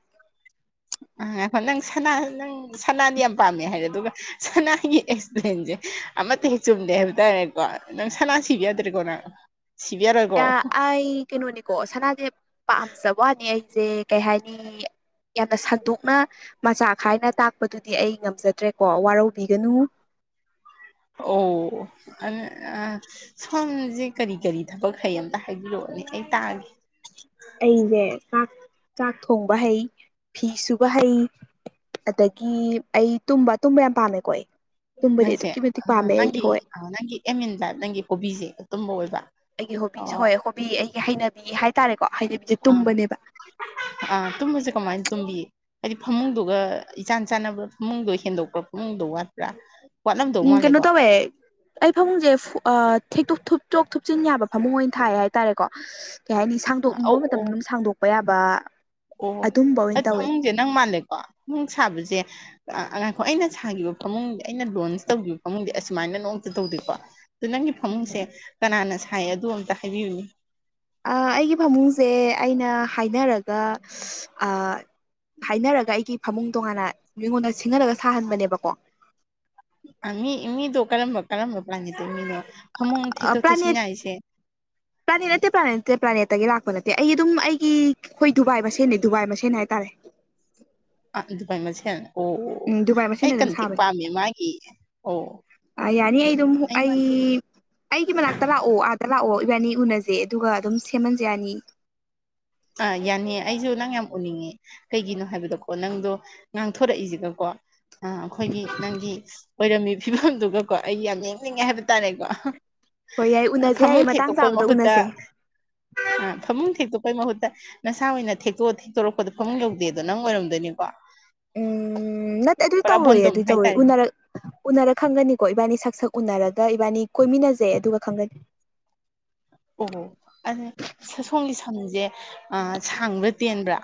ꯉꯥꯏꯈꯣ ꯅꯪ ꯁꯅꯥꯗꯤ ꯅꯪ ꯁꯅꯥꯗꯤ ꯌꯥꯝ ꯄꯥꯝꯃꯦ ꯍꯥꯏꯔꯦ ꯑꯗꯨꯒ ꯁꯅꯥꯒꯤ ꯑꯦꯛꯁꯄ꯭ꯔꯦꯟꯁꯦ ꯑꯃꯠꯇ ꯍꯦꯛ ꯆꯨꯝꯗꯦ ꯍꯥꯏꯕ ꯇꯥꯔꯦꯀꯣ ꯅꯪ ꯁꯅꯥ ꯁꯤꯕꯤ ꯌꯥꯗ꯭ꯔꯦ <unintelligible> ꯌꯥ ꯑꯩ ꯀꯩꯅꯣꯅꯤꯀꯣ ꯁꯅꯥꯁꯦ ꯄꯥꯝꯖꯕ ꯋꯥꯅꯤ ꯑꯩꯁꯦ ꯀꯩ ꯍꯥꯏꯅꯤ ꯌꯥꯝꯅ ꯁꯟꯇꯣꯛꯅ ꯃꯆꯥ ꯈꯥꯏꯅ ꯇꯥꯛꯄꯗꯨꯗꯤ ꯑꯩ ꯉꯝꯖꯗ꯭ꯔꯦꯀꯣ ꯋꯥꯔꯧꯕꯤꯒꯅꯨ ꯑꯣ <unintelligible> ꯁꯣꯝꯖꯦ ꯀꯔꯤ ꯀꯔꯤ ꯊꯕꯛ ꯍꯩ ꯑꯝꯇ ꯍꯥꯏꯕꯤꯔꯛꯑꯣꯅꯦ ꯑꯩ ꯇꯥꯒꯦ ꯑꯩꯖꯦ ꯆꯥꯛ ꯆꯥꯛ ꯊꯣꯡꯕ ꯍꯩ ꯐꯤ ꯁꯨꯕ ꯍꯩ ꯑꯗꯒꯤ ꯑꯩ ꯇꯨꯝꯕ ꯇꯨꯝꯕ ꯌꯥꯝ ꯄꯥꯝꯃꯦꯀꯣ ꯑꯩ ꯇꯨꯝꯕꯗꯤ ꯑꯗꯨꯛꯀꯤ ꯃꯇꯤꯛ ꯄꯥꯝꯃꯦ ꯑꯩ ꯍꯣꯏ ꯑ ꯅꯪꯒꯤ ꯑꯦꯝ ꯏꯟ ꯂꯥꯏꯞ ꯅꯪꯒꯤ ꯍꯣꯕꯤꯖꯦ ꯇꯨꯝꯕ ꯑꯣꯏꯕ ꯑꯩꯒꯤ ꯍꯣꯕꯤꯁꯦ ꯑꯣ ꯍꯣꯏ ꯍꯣꯕꯤ ꯑꯩꯒꯤ ꯍꯩꯅꯕꯤ ꯍꯥꯏꯇꯥꯔꯦꯀꯣ ꯍꯩꯅꯕꯤꯁꯦ ꯇꯨꯝꯕꯅꯦꯕ ꯑ ꯇꯨꯝꯕꯖꯦ ꯀꯃꯥꯏ ꯇꯨꯝꯕꯤ ꯍꯥꯏꯗꯤ ꯐꯃꯨꯡꯗꯨꯒ ꯏꯆꯥꯟ ꯆꯥꯟꯅꯕ ꯐꯃꯨꯡꯗꯣ ꯍꯦꯟꯗꯣꯛꯄ꯭ꯔꯥ ꯐꯃꯨꯡꯗꯣ ꯋꯥꯠꯄ꯭ꯔꯥ ꯋꯥꯠꯂꯝꯗꯧ ꯎꯝ ꯀꯩꯅꯣ ꯃꯥꯜꯂꯦꯀꯣ ꯇꯧꯋꯦ ꯑꯩ ꯐꯃꯨꯡꯁꯦ ꯊꯦꯛꯇꯣꯛ ꯊꯨꯞꯇꯣꯛ ꯊꯨꯞꯆꯤꯟ ꯌꯥꯕ ꯐꯃꯨꯡ ꯑꯣꯏꯅ ꯊꯥꯏ ꯍꯥꯏ ꯇꯥꯔꯦꯀꯣ ꯀꯩ ꯍꯥꯏꯅꯤ ꯑꯧ ꯁꯥꯡꯗꯣꯛꯅꯤꯡꯕ ꯑꯣ ꯃꯇꯝꯗ ꯑꯗꯨꯝ ꯁꯥꯡꯗꯣꯛꯄ ꯌꯥꯕ ꯑꯗꯨꯝꯕ ꯑꯣꯏꯅ ꯑꯣ ꯇꯧꯋꯦ ꯐꯪꯒꯦ <inaudible> ꯅꯪ ꯃꯥꯜꯂꯦꯀꯣ ꯅꯨꯡ ꯁꯥꯕꯖꯦ ꯉꯥꯏꯈꯣ ꯑꯩꯅ ꯁꯥꯈꯤꯕ ꯐꯃꯨꯡꯗꯤ ꯑꯩꯅ ꯂꯣꯟꯁ ꯇꯧꯒ꯭ꯔꯤ__ <unintelligible> ꯐꯃꯨꯡꯗꯤ ꯑꯁꯨꯃꯥꯏꯅ ꯅꯣꯡꯇ ꯇꯧꯗꯦꯀꯣ ꯑꯗꯣ ꯅꯪꯒꯤ ꯐꯃꯨꯡꯁꯦ ꯎꯝ ꯀꯅꯥꯅ ꯁꯥꯏ ꯑꯗꯨ ꯑꯝꯇ ꯍꯥꯏꯕꯤꯌꯨꯅꯦ ꯑꯥ ꯑꯩꯒꯤ ꯐꯃꯨꯡꯁꯦ ꯑꯩꯅ ꯍꯥꯏꯅꯔꯒ <unintelligible> ꯑꯥ ꯍꯥꯏꯅꯔꯒ ꯑꯩꯒꯤ ꯐꯃꯨꯡ ꯇꯣꯉꯥꯟꯅ ꯃꯤꯉꯣꯟꯗ ꯁꯤꯡꯍꯜꯂꯒ ꯁꯥꯍꯟꯕꯅꯦꯕꯀꯣ ꯑ ꯃꯤ ꯃꯤꯗꯣ ꯀꯔꯝꯕ ꯀꯔꯝꯕ ꯄ꯭ꯂꯥ ꯅꯦꯠꯇꯩ ꯃꯤꯅꯣ ꯐꯃꯨꯡ ꯊꯦꯠꯇꯣꯛ ꯄ꯭ꯂꯥꯅꯦꯠ ꯊꯦꯠꯆꯤꯟ ꯌꯥꯏꯁꯦ ꯄ꯭ꯂꯥꯅꯦꯠ ꯅꯠꯇꯦ ꯄ꯭ꯂꯥꯅꯦꯠ ꯅꯠꯇꯦ ꯄ꯭ꯂꯥꯅꯦꯠꯇꯒꯤ ꯂꯥꯛꯄ ꯅꯠꯇꯦ ꯑꯩ ꯑꯗꯨꯝ ꯑꯩꯒꯤ ꯑꯩꯈꯣꯏ ꯗꯨꯕꯥꯏ ꯃꯁꯦꯟꯅꯦ ꯗꯨꯕꯥꯏ ꯃꯁꯦꯟꯅꯦ ꯍꯥꯏꯇꯥꯔꯦ ꯑ ꯗꯨꯕꯥꯏ ꯃꯁꯦꯟ ꯑꯣ ꯑꯣ ꯎꯝ ꯗꯨꯕꯥꯏ ꯑꯩ ꯃꯁꯦꯟꯅ ꯑꯗꯨꯝ ꯀꯟꯇꯦꯛ ꯁꯥꯕꯅꯦ ꯄꯥꯝꯃꯦ ꯃꯥꯒꯤ ꯑꯣ ꯑ ꯌꯥꯅꯤ ꯑꯩ ꯑꯗꯨꯝ ꯑꯩ ꯑꯩꯒꯤ ꯃꯅꯥꯛꯇ ꯂꯥꯛꯑꯣ ꯑꯥꯗ ꯂꯥꯛꯑꯣ ꯏꯕꯥꯅꯤ ꯎꯅꯖꯦ ꯑꯗꯨꯒ ꯑꯗꯨꯝ ꯁꯦꯝꯍꯟꯖꯦ ꯌꯥꯅꯤ ꯑꯥ ꯌꯥꯅꯤꯌꯦ ꯑꯩꯁꯨ ꯅꯪ ꯌꯥꯝ ꯎꯅꯤꯡꯉꯦ ꯀꯩꯒꯤꯅꯣ ꯍꯥꯏꯕꯗꯀꯣ ꯅꯪꯗꯣ ꯉꯥꯡꯊꯣꯔꯛꯏꯁꯤꯒꯀꯣ ꯑ ꯑꯩꯈꯣꯏꯒꯤ ꯅꯪꯒꯤ ꯑꯣꯏꯔꯝꯃꯤ ꯐꯤꯕꯝꯗꯨꯒꯀꯣ ꯑꯩ ꯌꯥꯝ ꯌꯦꯡꯅꯤꯡꯉꯦ ꯍꯥꯏꯕ ꯇꯥꯔꯦꯀꯣ ꯍꯣꯏ ꯌꯥꯏ ꯎꯅꯁꯦ ꯌꯥꯏꯌꯦ ꯐꯃꯨꯡ ꯃꯇꯥꯡ ꯊꯦꯛꯇꯣꯛꯄꯩ ꯆꯥꯕꯗ ꯃꯍꯨꯠꯇ ꯎꯅꯁꯦ ꯐꯃꯨꯡ ꯊꯦꯛꯇꯣꯛꯄꯩ ꯃꯍꯨꯠꯇ ꯅꯁꯥ ꯑꯣꯏꯅ ꯊꯦꯛꯇꯣ ꯊꯦꯛꯇꯣꯔꯛꯄꯗ ꯐꯃꯨꯡ ꯌꯧꯗꯦꯗꯣ ꯅꯪ ꯑꯣꯏꯔꯝꯗꯣꯏꯅꯤꯀꯣ ꯎꯝ ꯅꯠꯇꯦ ꯑꯗꯨ ꯄꯨꯔꯥ ꯇꯧꯔꯣꯏ ꯕꯣꯟꯗꯨꯝ ꯑꯗꯨ ꯇꯧꯔꯣꯏ ꯍꯥꯏꯇꯥꯔꯦ ꯎꯅꯔꯛ ꯎꯅꯔ ꯈꯪꯒꯅꯤꯀꯣ ꯏꯕꯥꯅꯤ ꯁꯛ ꯁꯛ ꯎꯅꯔꯒ ꯏꯕꯥꯅꯤ ꯀꯣꯏꯃꯤꯟꯅꯖꯦ ꯑꯗꯨꯒ ꯈꯪꯒꯅꯤ ꯑꯣ ꯑꯗꯨ ꯁꯣꯝꯒꯤ ꯁꯝꯁꯦ ꯁꯥꯡꯕ꯭ꯔꯥ ꯇꯦꯟꯕ꯭ꯔꯥ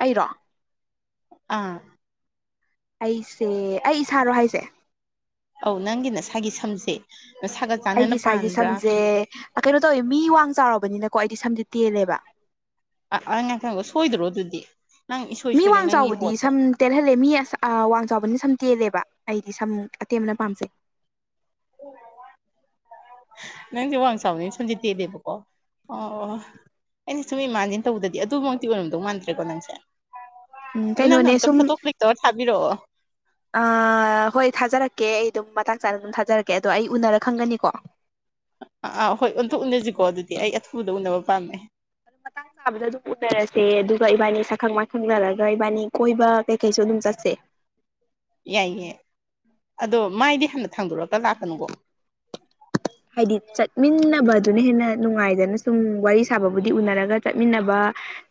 ꯑꯩꯔꯣ ꯑꯥ ꯑꯩꯁꯦ ꯑꯩ ꯏꯁꯥꯔꯣ ꯍꯥꯏꯁꯦ ꯑꯧ ꯅꯪꯒꯤ ꯅꯁꯥꯒꯤ ꯁꯝꯖꯦ ꯅꯁꯥꯒ ꯑꯩꯒꯤ ꯆꯥꯟꯅꯅ ꯏꯁꯥꯒꯤ ꯄꯥꯟꯕ꯭ꯔꯥ ꯁꯝꯁꯦ ꯀꯩꯅꯣ ꯇꯧꯋꯦ ꯃꯤ ꯋꯥꯡ ꯆꯥꯎꯔꯕꯅꯤꯅꯀꯣ ꯑꯩꯗꯤ ꯁꯝꯖꯦ ꯇꯦꯜꯂꯦꯕ <inaudible> ꯁꯣꯏꯗ꯭ꯔꯣ ꯑꯗꯨꯗꯤ ꯅꯪ ꯏꯁꯣꯏ ꯃꯤ ꯁꯣꯏꯔꯦ ꯋꯥꯡ ꯅꯪꯒꯤ ꯆꯥꯎꯕꯗꯤ ꯄꯣꯠꯁꯦ ꯁꯝ ꯇꯦꯜꯍꯜꯂꯦ ꯃꯤ ꯑꯁ ꯋꯥꯡ ꯆꯥꯎꯕꯅ ꯁꯝ ꯇꯦꯜꯂꯦꯕ ꯑꯩꯗꯤ ꯁꯝ ꯑꯇꯦꯟꯕ ꯄꯥꯝꯖꯩ <inaudible> ꯅꯪꯖꯦ ꯋꯥꯡ ꯆꯥꯎꯕꯅꯤꯅ ꯁꯝꯖꯦ ꯇꯦꯂꯦꯕꯀꯣ ꯑꯣ ꯑꯩꯁꯦ ꯁꯨꯝ ꯏꯃꯥꯖꯤꯟ ꯇꯧꯗꯗꯤ ꯑꯗꯨꯃꯛꯇꯤ ꯑꯣꯏꯔꯝꯗꯧ ꯃꯥꯟꯗ꯭ꯔꯦꯀꯣ ꯅꯪꯁꯦ ꯎꯝ ꯅꯪ ꯀꯩꯅꯣꯅꯦ ꯑꯝꯇ ꯐꯣꯇꯣ ꯀ꯭ꯂꯤꯛꯇꯧꯔ ꯊꯥꯕꯤꯔꯛꯑꯣ ꯑ ꯍꯣꯏ ꯊꯥꯖꯔꯛꯀꯦ ꯑꯩ ꯑꯗꯨꯝ ꯃꯇꯥꯡ ꯆꯥꯅ ꯑꯗꯨꯝ ꯊꯥꯖꯔꯛꯀꯦ ꯑꯗꯣ ꯑꯩ ꯎꯅꯔ ꯈꯪꯒꯅꯤꯀꯣ ꯑꯥ ꯑꯥ ꯍꯣꯏ ꯑꯥꯟꯇ ꯎꯅꯁꯤꯀꯣ ꯑꯗꯨꯗꯤ ꯑꯩ ꯑꯊꯨꯕꯗ ꯎꯅꯕ ꯄꯥꯝꯃꯦ ꯑꯗꯨ ꯃꯇꯥꯡ ꯆꯥꯕꯗ ꯑꯗꯨꯝ ꯎꯅꯔꯁꯦ ꯑꯗꯨꯒ ꯏꯕꯥꯅꯤ ꯁꯛꯈꯪ ꯃꯥꯏꯈꯪꯅꯔꯒ ꯏꯕꯥꯅꯤ ꯀꯣꯏꯕ ꯀꯩꯀꯩꯁꯨ ꯑꯗꯨꯝ ꯆꯠꯁꯦ ꯌꯥꯏꯌꯦ ꯑꯗꯣ ꯃꯥꯏꯗꯤ ꯍꯥꯟꯅ ꯊꯥꯡꯗꯣꯔꯛꯒ ꯂꯥꯛꯀꯅꯨꯀꯣ ꯍꯥꯏꯗꯤ ꯆꯠꯃꯤꯟꯅꯕꯗꯨꯅ ꯍꯦꯟꯅ ꯅꯨꯡꯉꯥꯏꯗꯅ ꯁꯨꯝ ꯋꯥꯔꯤ ꯁꯥꯕꯕꯨꯗꯤ ꯎꯅꯔꯒ ꯆꯠꯃꯤꯟꯅꯕ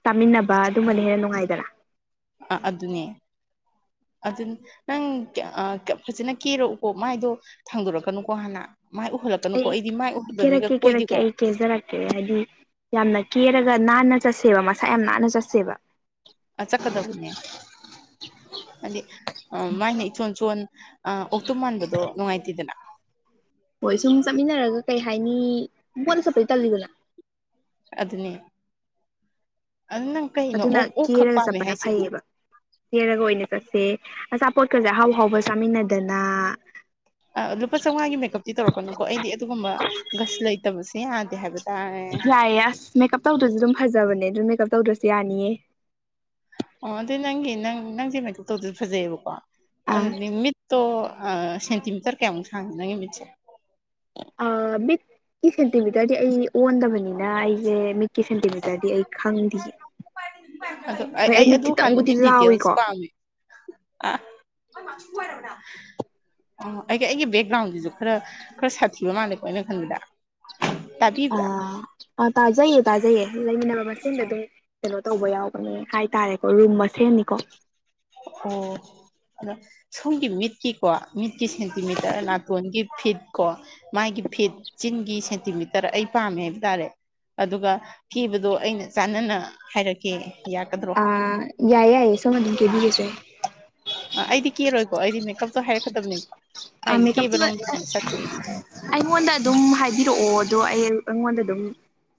ꯆꯥꯃꯤꯟꯅꯕ ꯑꯗꯨꯝꯕꯅ ꯍꯦꯟꯅ ꯅꯨꯡꯉꯥꯏꯗꯅ ꯑꯥ ꯑꯗꯨꯅꯦ ꯑꯗꯨ ꯅꯪ ꯑꯥ ꯐꯖꯅ ꯀꯦꯔꯛꯎꯀꯣ ꯃꯥꯏꯗꯣ ꯊꯥꯡꯗꯣꯔꯛꯀꯅꯨꯀꯣ ꯍꯥꯟꯅ ꯃꯥꯏ ꯎꯍꯜꯂꯛꯀꯅꯨꯀꯣ ꯑꯩ ꯑꯩꯗꯤ ꯃꯥꯏ ꯎꯍꯟꯗꯕ ꯃꯤꯒ ꯀꯦꯔꯛꯀꯦ ꯀꯦꯔꯛꯀꯦ ꯀꯣꯏꯗꯦꯀꯣ ꯑꯩ ꯀꯦꯖꯔꯛꯀꯦ ꯍꯥꯏꯗꯤ ꯌꯥꯝꯅ ꯀꯦꯔꯒ ꯅꯥꯟꯅ ꯆꯠꯁꯦꯕ ꯃꯁꯥ ꯌꯥꯝ ꯅꯥꯟꯅ ꯆꯠꯁꯦꯕ ꯑ ꯆꯠꯀꯗꯝꯅꯤꯅꯦ ꯍꯥꯏꯗꯤ ꯑ ꯃꯥꯅ ꯏꯆꯣꯟ ꯆꯣꯟ ꯑꯥ ꯑꯣꯛꯇꯨꯝ ꯃꯥꯟꯕꯗꯣ ꯅꯨꯡꯉꯥꯏꯇꯦꯗꯅ ꯍꯣꯏ ꯁꯨꯝ ꯆꯠꯃꯤꯟꯅꯔꯒ ꯀꯩ ꯍꯥꯏꯅꯤ ꯃꯣꯠꯅ ꯆꯠꯄꯗꯤ ꯇꯜꯂꯤꯗꯅ ꯑꯗꯨꯅꯦ ꯑꯗꯨ ꯅꯪ ꯀꯩꯅꯣ ꯑꯗꯨꯅ ꯑꯣꯛ ꯑꯣꯛ ꯈꯛ ꯀꯦꯔꯒ ꯄꯥꯝꯃꯦ ꯆꯠꯄꯅ ꯍꯥꯏꯁꯤꯕꯨ ꯐꯩꯌꯦꯕ ꯌꯦꯔꯒ ꯑꯣꯏꯅ ꯆꯠꯁꯦ ꯑꯆꯥꯄꯣꯠꯀꯁꯦ ꯑꯍꯥꯎꯍꯥꯎꯕ ꯆꯥꯃꯤꯟꯅꯗꯅ ꯑ ꯂꯨꯄꯥ ꯆꯧꯉꯥꯒꯤ ꯃꯦꯀꯞꯇꯤ ꯇꯧꯔꯛꯀꯅꯨꯀꯣ ꯑꯩꯗꯤ ꯑꯗꯨꯒꯨꯝꯕ ꯒꯁ ꯂꯩꯇꯕꯁꯦ ꯌꯥꯗꯦ ꯍꯥꯏꯕꯗꯤ ꯌꯥꯏꯌꯦ ꯑꯁ ꯃꯦꯀꯞ ꯇꯧꯗ꯭ꯔꯁꯨ ꯑꯗꯨꯝ ꯐꯖꯕꯅꯦ ꯑꯗꯨꯝ ꯃꯦꯀꯞ ꯇꯧꯗ꯭ꯔꯁꯨ ꯌꯥꯅꯤꯌꯦ ꯑꯣ ꯑꯗꯨ ꯅꯪꯒꯤ ꯅꯪ ꯅꯪꯁꯦ ꯃꯦꯀꯞ ꯇꯧꯗꯁꯨ ꯐꯖꯩꯑꯦꯕꯀꯣ ꯑꯥ ꯑꯗꯨꯗꯤ ꯃꯤꯠ ꯇꯣ ꯑ ꯁꯦꯟꯇꯤꯃꯤꯇꯔ ꯀꯌꯥꯃꯨꯛ ꯁꯥꯡꯒꯦ ꯅꯪꯒꯤ ꯃꯤꯠꯁꯦ ꯑ ꯃꯤꯠꯀꯤ ꯁꯦꯟꯇꯤꯃꯤꯇꯔꯗꯤ ꯑꯩ ꯑꯣꯟꯗꯕꯅꯤꯅ ꯑꯩꯁꯦ ꯃꯤꯀꯤ ꯁꯦꯟꯇꯤꯃꯤꯇꯔꯗꯤ ꯑꯩ ꯈꯪꯗꯤꯌꯦ ꯍꯣꯏ ꯑꯩ ꯃꯤꯠ ꯈꯤꯇꯪꯕꯨꯗꯤ ꯂꯥꯎꯏꯀꯣ <unintelligible> ꯑꯩ ꯑꯩꯒꯤꯕꯦꯛ ꯒ꯭ꯔꯥꯎꯟꯁꯤꯁꯨ ꯈꯔ ꯈꯔ ꯁꯥꯊꯤꯕ ꯃꯥꯜꯂꯦꯀꯣ ꯑꯩꯅ ꯈꯟꯕꯗ ꯇꯥꯕꯤꯕ꯭ꯔꯥ ꯑ ꯇꯥꯖꯩꯌꯦ ꯇꯥꯖꯩꯌꯦ ꯃꯁꯦꯟꯗ ꯑ ꯑꯗꯨꯝ ꯀꯩꯅꯣ ꯇꯧꯕ ꯌꯥꯎꯕꯅꯦ ꯍꯥꯏꯇꯥꯔꯦꯀꯣ ꯔꯨꯝ ꯃꯁꯦꯟꯅꯤꯀꯣ ꯑꯣ ꯑꯗꯣ ꯁꯣꯝꯒꯤ ꯃꯤꯠꯀꯤꯀꯣ ꯃꯤꯠꯀꯤ ꯁꯦꯟꯇꯤꯃꯤꯇꯔ ꯅꯥꯇꯣꯟꯒꯤ ꯐꯤꯠ ꯀꯣ ꯃꯥꯒꯤ ꯐꯤꯠ ꯆꯤꯟꯒꯤ ꯁꯦꯟꯇꯤꯃꯤꯇꯔ ꯑꯩ ꯄꯥꯝꯃꯦ ꯍꯥꯏꯕ ꯇꯥꯔꯦ ꯑꯗꯨꯒ ꯀꯦꯕꯗꯣ ꯑꯩꯅ ꯆꯥꯟꯅꯅ ꯍꯥꯏꯔꯛꯀꯦ ꯌꯥꯒꯗ꯭ꯔꯣ ꯑꯥ ꯌꯥꯏꯌꯦ ꯌꯥꯏꯌꯦ ꯁꯣꯝ ꯑꯗꯨꯝ ꯀꯦꯕꯤꯔꯖꯨ ꯌꯥꯏ ꯑ ꯑꯩꯗꯤ ꯀꯦꯔꯣꯏꯀꯣ ꯑꯩꯗꯤ ꯃꯦꯀꯞꯇꯣ ꯍꯥꯏꯔꯛꯀꯗꯕꯅꯤꯀꯣ ꯑ ꯑꯩꯗꯤ ꯃꯦꯀꯞꯇꯤ ꯂꯣꯏ ꯀꯦꯕꯔꯣꯝꯗ ꯑꯣꯏꯅ ꯆꯠꯇꯦ ꯑꯩꯗꯤ <inaudible> ꯑꯩꯉꯣꯟꯗ ꯑꯗꯨꯝ ꯍꯥꯏꯕꯤꯔꯛꯑꯣ ꯑꯗꯣ ꯑꯩ ꯑꯩꯉꯣꯟꯗ ꯑꯗꯨꯝ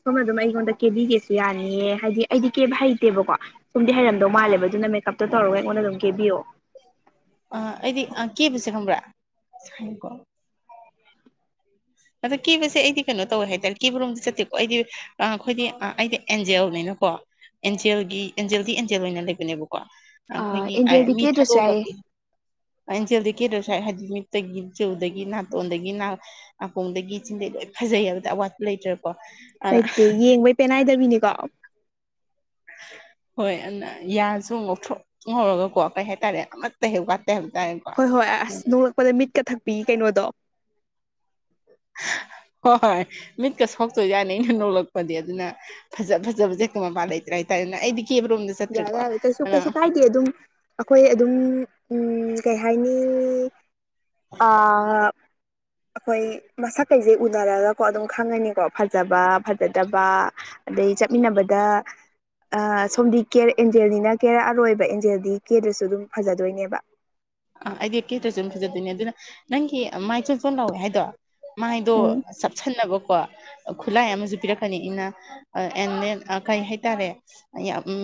ꯁꯣꯝꯅ ꯑꯗꯨꯝ ꯑꯩꯉꯣꯟꯗ ꯀꯦꯕꯤꯒꯦꯁꯨ ꯌꯥꯅꯤꯌꯦ ꯍꯥꯏꯗꯤ ꯑꯩꯗꯤ ꯀꯦꯞ ꯍꯩꯇꯦꯕꯀꯣ ꯁꯣꯝꯗꯤ ꯍꯩꯔꯝ ꯗꯧ ꯑꯥ ꯃꯥꯂꯦꯕ ꯑꯗꯨꯅ ꯃꯦꯀꯞꯇ ꯇꯧꯔꯒ ꯑꯩꯉꯣꯟꯗ ꯑꯗꯨꯝ ꯀꯦꯕꯤꯌꯣ ꯑ ꯑꯩꯗꯤ ꯀꯦꯕꯁꯦ ꯈꯪꯕ꯭ꯔꯥ <inaudible> ꯑꯗꯣ ꯀꯤꯕꯁꯦ ꯑꯩꯗꯤ ꯀꯩꯅꯣ ꯇꯧꯋꯦ ꯍꯥꯏꯇꯥꯔꯦ ꯀꯤꯕꯔꯣꯝꯗꯤ ꯆꯠꯇꯦꯀꯣ ꯑꯩꯗꯤ ꯑꯩꯈꯣꯏꯗꯤ ꯑꯩꯗꯤ ꯑꯦꯟꯖꯦꯜꯅꯤꯅꯀꯣ ꯑꯦꯟꯖꯦꯜꯒꯤ ꯑꯦꯟꯖꯦꯜꯗꯤ ꯑꯦꯟꯖꯦꯜ ꯑꯣꯏꯅ ꯂꯩꯕꯅꯦꯕꯀꯣ ꯑꯥ ꯑꯩꯈꯣꯏꯒꯤ ꯑꯦꯟꯖꯦꯜꯗꯤ ꯃꯤ ꯀꯦꯗ꯭ꯔꯁꯨ ꯌꯥꯏꯌꯦ ꯊꯥꯗꯣꯛꯑꯒ ꯑꯟꯖꯦꯜꯗꯤ ꯀꯦꯗ꯭ꯔ ꯁ ꯍꯥꯏꯗꯤ ꯃꯤꯠꯇꯒꯤ ꯆꯨꯗꯒꯤ ꯅꯥꯇꯣꯟꯗꯒꯤ ꯍ ꯑꯥꯀꯣꯡꯗꯒꯤ ꯆꯤꯟꯖꯩ ꯂꯣꯏ ꯐꯖꯩ ꯍꯥꯏꯕꯗ ꯑꯋꯥꯠꯄ ꯂꯩꯇ꯭ꯔꯦꯀꯣ ꯑꯗꯨꯅ ꯂꯩꯇꯦ ꯌꯦꯡꯕꯩ ꯄꯦꯅꯥꯏꯗꯕꯤꯅꯤꯀꯣ ꯍꯣꯏ ꯑꯗꯨꯅ ꯌꯥꯁꯨ ꯉꯧꯊꯣꯛ ꯉꯔꯒꯀꯣ ꯀꯩ ꯍꯥꯏꯇꯥꯔꯦ ꯑꯃꯠꯇ ꯍꯦꯛ ꯋꯥꯠꯇꯦ ꯍꯥꯏꯕ ꯇꯥꯔꯦ ꯍꯣꯏ ꯍꯣꯏ ꯑꯁ ꯅꯣꯡꯂꯛꯄꯗ ꯃꯤꯠꯀ ꯊꯛꯄꯤ ꯀꯩꯅꯣꯗꯣ ꯍꯣꯏ ꯍꯣꯏ ꯃꯤꯠꯀ ꯁꯣꯛꯇꯣꯏ ꯌꯥꯅꯤ ꯑꯩꯅ ꯅꯣꯂꯛꯄꯗꯤ ꯑꯗꯨꯅ ꯐꯖ ꯐꯖꯕ ꯖꯦꯛꯇ ꯃꯄꯄꯥ ꯂꯩꯇ꯭ꯔꯦ ꯍꯥꯏꯇꯥꯔꯦꯅ ꯑꯩꯗꯤ ꯀꯦꯕ ꯔꯣꯝꯗ ꯌꯥ ꯌꯥꯦ ꯀꯁꯨ ꯀꯁꯨ ꯀꯥꯏꯇꯦ ꯑꯗꯨ ꯑꯩꯈꯣꯏ ꯑꯗꯨꯝ ꯀꯩ ꯍꯥꯏꯥꯏꯅꯤ ꯑꯩꯈꯣꯏ ꯃꯁꯛꯀꯩꯁꯦ ꯎꯅꯔꯒꯀꯣ ꯑꯗꯨꯝ ꯈꯪꯉꯅꯤꯀꯣ ꯐꯖꯕ ꯐꯖꯗꯕ ꯑꯗꯩ ꯆꯠꯃꯤꯟꯅꯕꯗ ꯑ ꯁꯣꯝꯗꯤ ꯀꯦꯔ ꯑꯦꯟꯖꯦꯜꯅꯤꯅ ꯀꯦꯔꯛ ꯑꯔꯣꯏꯕ ꯑꯦꯟꯖꯦꯜꯗꯤ ꯀꯦꯗ꯭ꯔꯁꯨ ꯑꯗꯨꯝ ꯐꯖꯗꯣꯏꯅꯦꯕ ꯑꯥ ꯑꯩꯗꯤ ꯀꯦꯇ꯭ꯔꯁꯨ ꯑꯗꯨꯝ ꯐꯖꯗꯣꯏꯅꯦ ꯑꯗꯨꯅ ꯅꯪꯒꯤ ꯃꯥꯏ ꯆꯣ ꯆꯣꯟ ꯂꯥꯎꯋꯦ ꯍꯥꯏꯗꯣ ꯎꯝ ꯃꯥꯥꯏꯗꯞ ꯁꯟꯅꯕꯀꯣ ꯈꯨꯠꯂꯥꯏ ꯑꯃꯁꯨ ꯄꯤꯔꯛꯀꯅꯤ ꯏꯅ ꯑꯦꯟ ꯗꯦꯟ ꯀꯩ ꯍꯥꯏꯇꯥꯔꯦ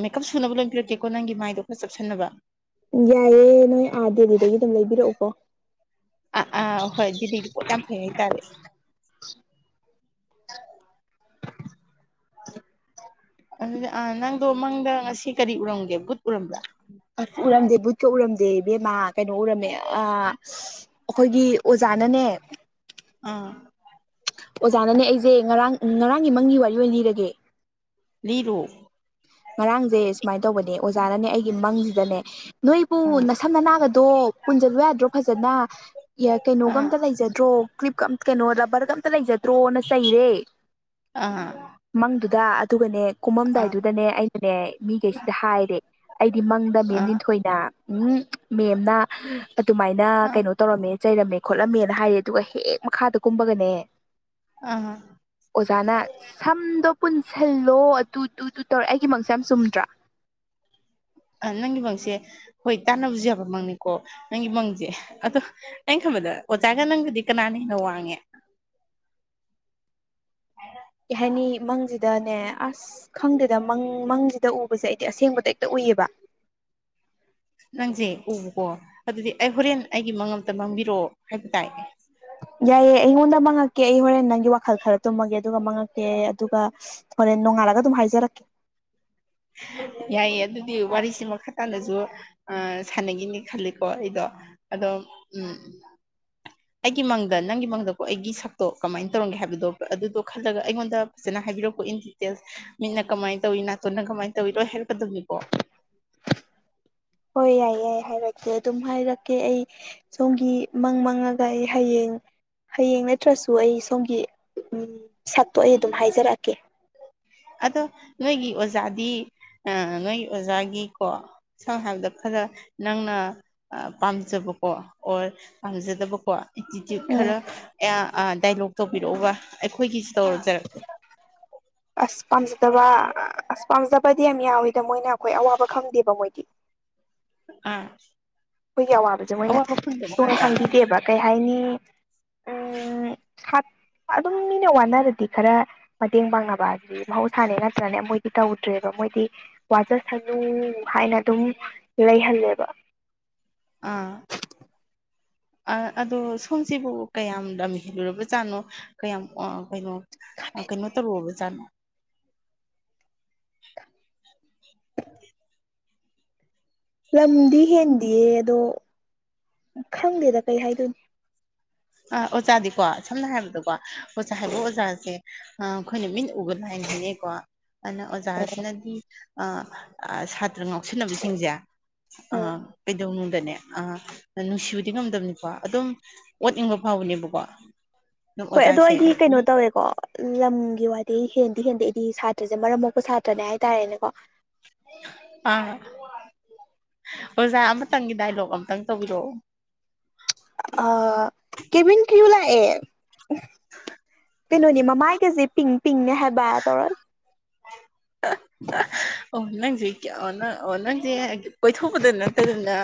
ꯃꯦꯀꯞ ꯁꯨꯅꯕ ꯂꯣꯏ ꯄꯤꯔꯛꯀꯦꯀꯣ ꯅꯪꯒꯤ ꯃꯥꯏꯗꯣ ꯈꯔ ꯆꯞꯁꯤꯟꯅꯕ ꯌꯥꯏꯑꯦ ꯅꯣꯏ ꯑꯥ ꯗꯦꯜꯂꯤꯗꯒꯤ ꯑꯗꯨꯝ ꯂꯩꯕꯤꯔꯛꯎꯀꯣ ꯑꯥ ꯑꯥ ꯍꯣꯏ ꯑꯗꯨꯗꯤꯒꯤ ꯄꯣꯠ ꯌꯥꯝ ꯐꯩ ꯍꯥꯏꯇꯥꯔꯦ ꯑꯗꯨꯥ ꯅꯪꯗꯣ ꯃꯥꯡꯗ ꯉꯁꯤ ꯀꯔꯤ ꯎꯔꯝꯒꯦ ꯕꯨꯠ ꯎꯔꯝꯕ꯭ꯔꯥ ꯑꯁ ꯎꯔꯝꯗꯦ ꯕꯨꯠꯀ ꯎꯔꯝꯗꯦ ꯏꯕꯦꯝꯃꯥ ꯀꯩꯅꯣ ꯎꯔꯝꯃꯦ ꯑ ꯑꯩꯈꯣꯏꯒꯤ ꯑꯣꯖꯥ ꯃꯅꯦ ꯑꯥ ꯑꯣꯖꯥꯅꯅꯦ ꯑꯩꯁꯦ ꯉꯔꯥꯡ ꯉꯔꯥꯡꯒꯤ ꯃꯪꯒꯤ ꯋꯥꯔꯤ ꯑꯣꯏꯅ ꯂꯤꯔꯒꯦ ꯂꯤꯔꯣ ꯉꯔꯥꯡꯁꯦ ꯁꯨꯃꯥꯏꯅ ꯇꯧꯕꯅꯦ ꯑꯣꯖꯥꯅꯅꯦ ꯑꯩꯒꯤ ꯃꯪꯁꯤꯗꯅꯦ ꯅꯣꯏꯕꯨ ꯑꯥ ꯅꯁꯝ ꯅꯅꯥꯒꯗꯣ ꯄꯨꯟꯁꯤꯜꯂꯨ ꯌꯥꯗ꯭ꯔꯣ ꯐꯖꯅ ꯌꯥ ꯀꯩꯅꯣꯒ ꯑꯥ ꯑꯝꯇ ꯂꯩꯖꯗ꯭ꯔꯣ ꯀ꯭ꯂꯤꯞ ꯀꯩꯅꯣ ꯔꯕꯔꯒ ꯑꯝꯇ ꯂꯩꯖꯗ꯭ꯔꯣꯅ ꯆꯩꯔꯦ ꯑꯥ ꯃꯪꯗꯨꯗ ꯑꯗꯨꯒꯅꯦ ꯑꯥ ꯀꯨꯝꯃꯝꯗꯥꯏꯗꯨꯗꯅꯦ ꯑꯩꯅꯅꯦ ꯃꯤꯈꯩꯁꯤꯗ ꯍꯥꯏꯔꯦ ꯑꯩꯗꯤ ꯃꯪꯗ ꯃꯦꯝ ꯑꯥ ꯂꯤꯟꯊꯣꯏꯅ ꯎꯝ ꯃꯦꯝꯅ ꯑꯗꯨꯃꯥꯏꯅ ꯀꯩꯅꯣ ꯇꯧꯔꯝꯃꯦ ꯆꯩꯔꯝꯃꯦ ꯈꯣꯠꯂꯝꯃꯦꯅ ꯍꯥꯏꯔꯦ ꯑꯗꯨꯒ ꯍꯦꯛ ꯃꯈꯥꯗ ꯀꯨꯝꯕꯒꯅꯦ ꯑ ꯑꯣꯖꯥꯅ ꯁꯝꯗꯣ ꯄꯨꯟꯁꯤꯜꯂꯣ ꯑꯗꯨ ꯇꯨ ꯇꯨ ꯇꯧꯔ ꯑꯩꯒꯤ ꯃꯁꯦ ꯌꯥꯝ ꯆꯨꯝꯗ꯭ꯔꯥ ꯅꯪꯒꯤ ꯃꯪꯁꯦ ꯍꯣꯏ ꯇꯥꯟꯅꯕꯁꯨ ꯌꯥꯕ ꯃꯪꯅꯤꯀꯣ ꯅꯪꯒꯤ ꯃꯪꯁꯦ ꯑꯗꯣ ꯑꯩꯅ ꯈꯕꯗ ꯑꯣꯖꯥꯒ ꯅꯪꯕꯨꯗꯤ ꯀꯅꯥꯅ ꯍꯦꯟꯅ ꯋꯥꯡꯉꯦ ꯍ ꯀꯩ ꯍꯥꯏꯅꯤ ꯃꯪꯁꯤꯗꯅꯦ ꯑꯁ ꯈꯪꯗꯦꯗ ꯃꯪ ꯃꯪꯁꯤꯗ ꯎ ꯑꯩꯣꯏꯁꯦ ꯑꯩꯗꯤ ꯑꯁꯦꯡꯕꯗ ꯍꯦ ꯎꯏꯌꯦꯕ ꯅꯪꯁꯦ ꯎꯕꯀꯣ ꯑꯗꯨꯗꯤ ꯑꯩ ꯍꯣꯔꯦꯟ ꯑꯩꯒꯤ ꯃꯪ ꯑꯝꯇ ꯃꯥꯡꯕꯤꯔꯛꯑꯣ ꯍꯥꯏꯕ ꯇꯥꯏ ꯌꯥꯏꯑꯦ ꯑꯩꯉꯣꯟꯗ ꯃꯥꯡꯉꯛꯀꯦ ꯑꯩ ꯍꯣꯔꯦꯟ ꯅꯪꯒꯤ ꯋꯥꯈꯜ ꯈꯔ ꯇꯨꯝꯃꯒꯦ ꯑꯗꯨꯒ ꯃꯥꯡꯉꯛꯀꯦ ꯑꯗꯨꯒ ꯍꯣꯔꯦꯟ ꯅꯣꯡꯉꯥꯜꯂꯒ ꯑꯗꯨꯝ ꯍꯥꯏꯖꯔꯛꯀꯦ ꯌꯥꯏꯌꯦ ꯑꯗꯨꯗꯤ ꯋꯥꯔꯤꯁꯦ ꯃꯈꯥ ꯇꯥꯅꯁꯨ ꯑ ꯁꯥꯟꯅꯈꯤꯅꯤꯒ ꯈꯜꯂꯤꯀꯣ ꯑꯩꯗꯣ ꯑꯗꯣ ꯎꯝ ꯑꯩꯒꯤ ꯃꯪꯗ ꯅꯪꯒꯤ ꯃꯪꯗꯀꯣ ꯑꯩꯒꯤ ꯁꯛꯇꯣ ꯀꯃꯥꯏꯅ ꯇꯧꯔꯝꯒꯦ ꯍꯥꯏꯕꯗꯣ ꯑꯗꯨꯗꯣ ꯈꯜꯂꯒ ꯑꯩꯉꯣꯟꯗ ꯐꯖꯅ ꯍꯥꯏꯕꯤꯔꯛꯎꯀꯣ ꯏꯟ ꯗꯤꯇꯦꯜꯁ ꯃꯤꯠꯅ ꯀꯃꯥꯏꯟ ꯇꯧꯏ ꯅꯥꯇꯣꯟꯅ ꯀꯃꯥꯏꯟ ꯇꯧꯏ ꯂꯣꯏ ꯍꯥꯏꯔꯛꯀꯗꯕꯅꯤꯀꯣ ꯍꯣꯏ ꯌꯥꯏ ꯌꯥꯏ ꯍꯥꯏꯔꯛꯀꯦ ꯑꯗꯨꯝ ꯍꯥꯏꯔꯛꯀꯦ ꯑꯩ ꯁꯣꯝꯒꯤ ꯃꯪ ꯃꯪꯉꯒ ꯑꯩ ꯍꯌꯦꯡ ꯍꯌꯦꯡ ꯅꯠꯇ꯭ꯔꯁꯨ ꯑꯩ ꯁꯣꯝꯒꯤ ꯎꯝ ꯁꯛꯇꯣ ꯑꯩ ꯑꯗꯨꯝ ꯍꯥꯏꯖꯔꯛꯀꯦ ꯑꯗꯣ ꯅꯣꯏꯒꯤ ꯑꯣꯖꯥꯗꯤ ꯑ ꯅꯣꯏꯒꯤ ꯑꯣꯖꯥꯒꯤꯀꯣ ꯁꯝꯅ ꯍꯥꯏꯕꯗ ꯈꯔ ꯅꯪꯅ ꯄꯥꯝꯖꯕꯀꯣ ꯑꯣꯔ ꯄꯥꯝꯖꯗꯕꯀꯣ ꯑꯦꯇꯤꯇ꯭ꯌꯨꯠ ꯎꯝ ꯈꯔ <unintelligible> ꯗꯥꯏꯂꯣꯛ ꯇꯧꯕꯤꯔꯛꯎꯕ ꯑꯩꯈꯣꯏꯒꯤꯁꯨ ꯇꯧꯔꯖꯔꯛꯀꯦ ꯑꯁ ꯄꯥꯝꯖꯗꯕ ꯑꯁ ꯄꯥꯝꯖꯕꯗꯤ ꯌꯥꯝ ꯌꯥꯎꯋꯤꯗ ꯃꯣꯏꯅ ꯑꯩꯈꯣꯏ ꯑꯋꯥꯕ ꯈꯪꯗꯦꯕ ꯃꯣꯏꯗꯤ ꯑꯥ ꯑꯩꯈꯣꯏꯒꯤ ꯑꯋꯥꯕꯁꯦ ꯃꯣꯏꯅ ꯑꯋꯥꯕ ꯐꯪꯗꯕ ꯁꯨꯛꯈꯪ ꯉꯥꯛꯇ ꯈꯪꯈꯤꯗꯦꯕ ꯀꯩ ꯍꯥꯏꯅꯤ <unintelligible> ꯎꯝ ꯑꯗꯨꯝ ꯃꯤꯅ ꯋꯥꯅꯔꯗꯤ ꯈꯔ ꯃꯇꯦꯡ ꯄꯥꯡꯅꯕ ꯍꯥꯏꯁꯤꯗꯤ ꯃꯍꯧꯁꯥꯅꯦ ꯅꯠꯇ꯭ꯔꯅꯦ ꯃꯣꯏꯗꯤ ꯇꯧꯗ꯭ꯔꯦꯕ ꯃꯣꯏꯗꯤ ꯋꯥꯖꯁꯅꯨ ꯍꯥꯏꯅ ꯑꯗꯨꯝ ꯂꯩꯍꯜꯂꯦꯕ ꯑꯥ ꯑ ꯑꯗꯣ ꯁꯣꯝꯁꯤꯕꯨ ꯀꯌꯥꯝ ꯂꯝ ꯍꯦꯜꯂꯨꯔꯕꯖꯥꯠꯅꯣ ꯀꯌꯥꯝ ꯑ ꯀꯩꯅꯣ ꯀꯩꯅꯣ ꯇꯧꯔꯨꯔꯕꯖꯥꯠꯅꯣ <inaudible> ꯂꯝꯗꯤ ꯍꯦꯟꯗꯤꯌꯦ ꯑꯗꯣ ꯈꯪꯗꯦꯗ ꯀꯩ ꯍꯥꯏꯗꯣꯏꯅꯣ ꯑꯥ ꯑꯣꯖꯥꯗꯤꯀꯣ ꯁꯝꯅ ꯍꯥꯏꯔꯕꯗꯀꯣ ꯑꯣꯖꯥ ꯍꯥꯏꯕ ꯑꯣꯖꯥꯁꯦ ꯑꯥ ꯑꯩꯈꯣꯏꯅ ꯃꯤꯠꯅ ꯎꯕ ꯂꯥꯏꯅꯦ ꯍꯥꯏꯅꯩꯀꯣ ꯑꯗꯨꯅ ꯑꯣꯖꯥꯁꯤꯅꯗꯤ ꯑ ꯁꯥꯇ꯭ꯔ ꯉꯥꯎ ꯁꯟꯅꯕꯁꯤꯡꯁꯦ ꯎꯝ ꯑꯥ ꯀꯩꯗꯧꯅꯨꯡꯗꯅꯦ ꯑꯥ ꯅꯨꯡꯁꯤꯕꯗꯤ ꯉꯝꯗꯕꯅꯤꯀꯣ ꯑꯗꯨꯝ ꯑꯣꯠꯅꯤꯡꯕ ꯐꯥꯎꯕꯅꯦꯕꯀꯣ ꯑꯗꯨꯝ ꯍꯣꯏ ꯑꯗꯣ ꯑꯣꯖꯥꯁꯦ ꯑꯩꯗꯤ ꯀꯩꯅꯣ ꯇꯧꯋꯦꯀꯣ ꯂꯝꯒꯤ ꯋꯥꯗꯤ ꯍꯦꯟꯗꯤ ꯍꯦꯟꯗꯦ ꯑꯩꯗꯤ ꯁꯥꯇ꯭ꯔꯖꯦ ꯃꯔꯝ ꯃꯣꯛꯄ ꯁꯥꯇ꯭ꯔꯅꯦ ꯍꯥꯏꯇꯥꯔꯦꯅꯦꯀꯣ ꯑꯥ ꯑꯣꯖꯥ ꯑꯃꯇꯪꯒꯤ ꯗꯥꯏꯂꯣꯛ ꯑꯝꯇꯪ ꯇꯧꯕꯤꯔꯛꯑꯣ ꯑ ꯀꯦꯕꯤꯟ ꯀꯔꯤꯎ ꯂꯥꯛꯑꯦ ꯀꯩꯅꯣꯅꯦ ꯃꯃꯥꯏꯒꯖꯦ ꯄꯤꯡ ꯄꯤꯡꯅꯦ ꯍꯥꯏꯕ ꯇꯧꯔꯅꯤ ꯑꯣ ꯅꯪꯖꯦ ꯀꯤꯌꯅꯥ ꯑꯣ ꯅꯪꯖꯦ ꯀꯣꯏꯊꯣꯛꯀꯗꯣꯏ ꯅꯠꯇꯗꯅ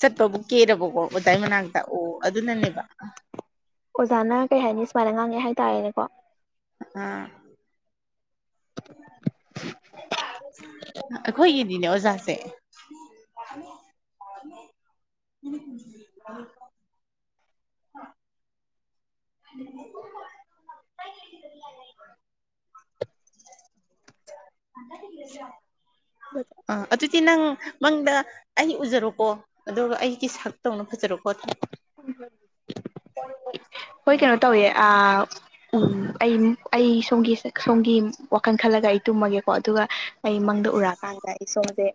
ꯆꯠꯇꯧꯕꯨ ꯀꯦꯔꯕꯣ ꯑꯣꯖꯥꯏ ꯃꯅꯥꯛꯇ ꯑꯣ ꯑꯗꯨꯅꯅꯦꯕ ꯑꯣꯖꯥꯅ ꯀꯩ ꯍꯥꯏꯅꯤ ꯁꯨꯃꯥꯏꯅ ꯉꯥꯡꯉꯥꯛꯉꯦ ꯍꯥꯏꯇꯥꯔꯦꯅꯦꯀꯣ ꯑ ꯑꯩꯈꯣꯏꯒꯤ ꯗꯤꯅꯦ ꯑꯣꯖꯥꯁꯦ <inaudible> <inaudible> ꯑꯥ ꯑꯗꯨ ꯑꯗꯨꯗꯤ ꯅꯪ ꯃꯪꯗ ꯑꯩ ꯎꯖꯔꯣꯀꯣ ꯑꯗꯨꯒ ꯑꯩꯒꯤ ꯁꯛꯇꯧꯅ ꯐꯖꯔꯣꯀꯣ ꯍꯣꯏ ꯍꯣꯏ ꯍꯣꯏ ꯀꯩꯅꯣ ꯇꯧꯋꯦ ꯑꯥ ꯎꯝ ꯑꯩ ꯑꯩ ꯁꯣꯝꯒꯤ ꯁꯣꯝꯒꯤ ꯋꯥꯈꯜ ꯈꯜꯂꯒ ꯑꯩ ꯇꯨꯝꯃꯒꯦꯀꯣ ꯑꯗꯨꯒ ꯑꯩ ꯃꯪꯗ ꯎꯔꯛꯑꯀꯥꯟꯗ ꯑꯩ ꯁꯣꯝꯁꯦ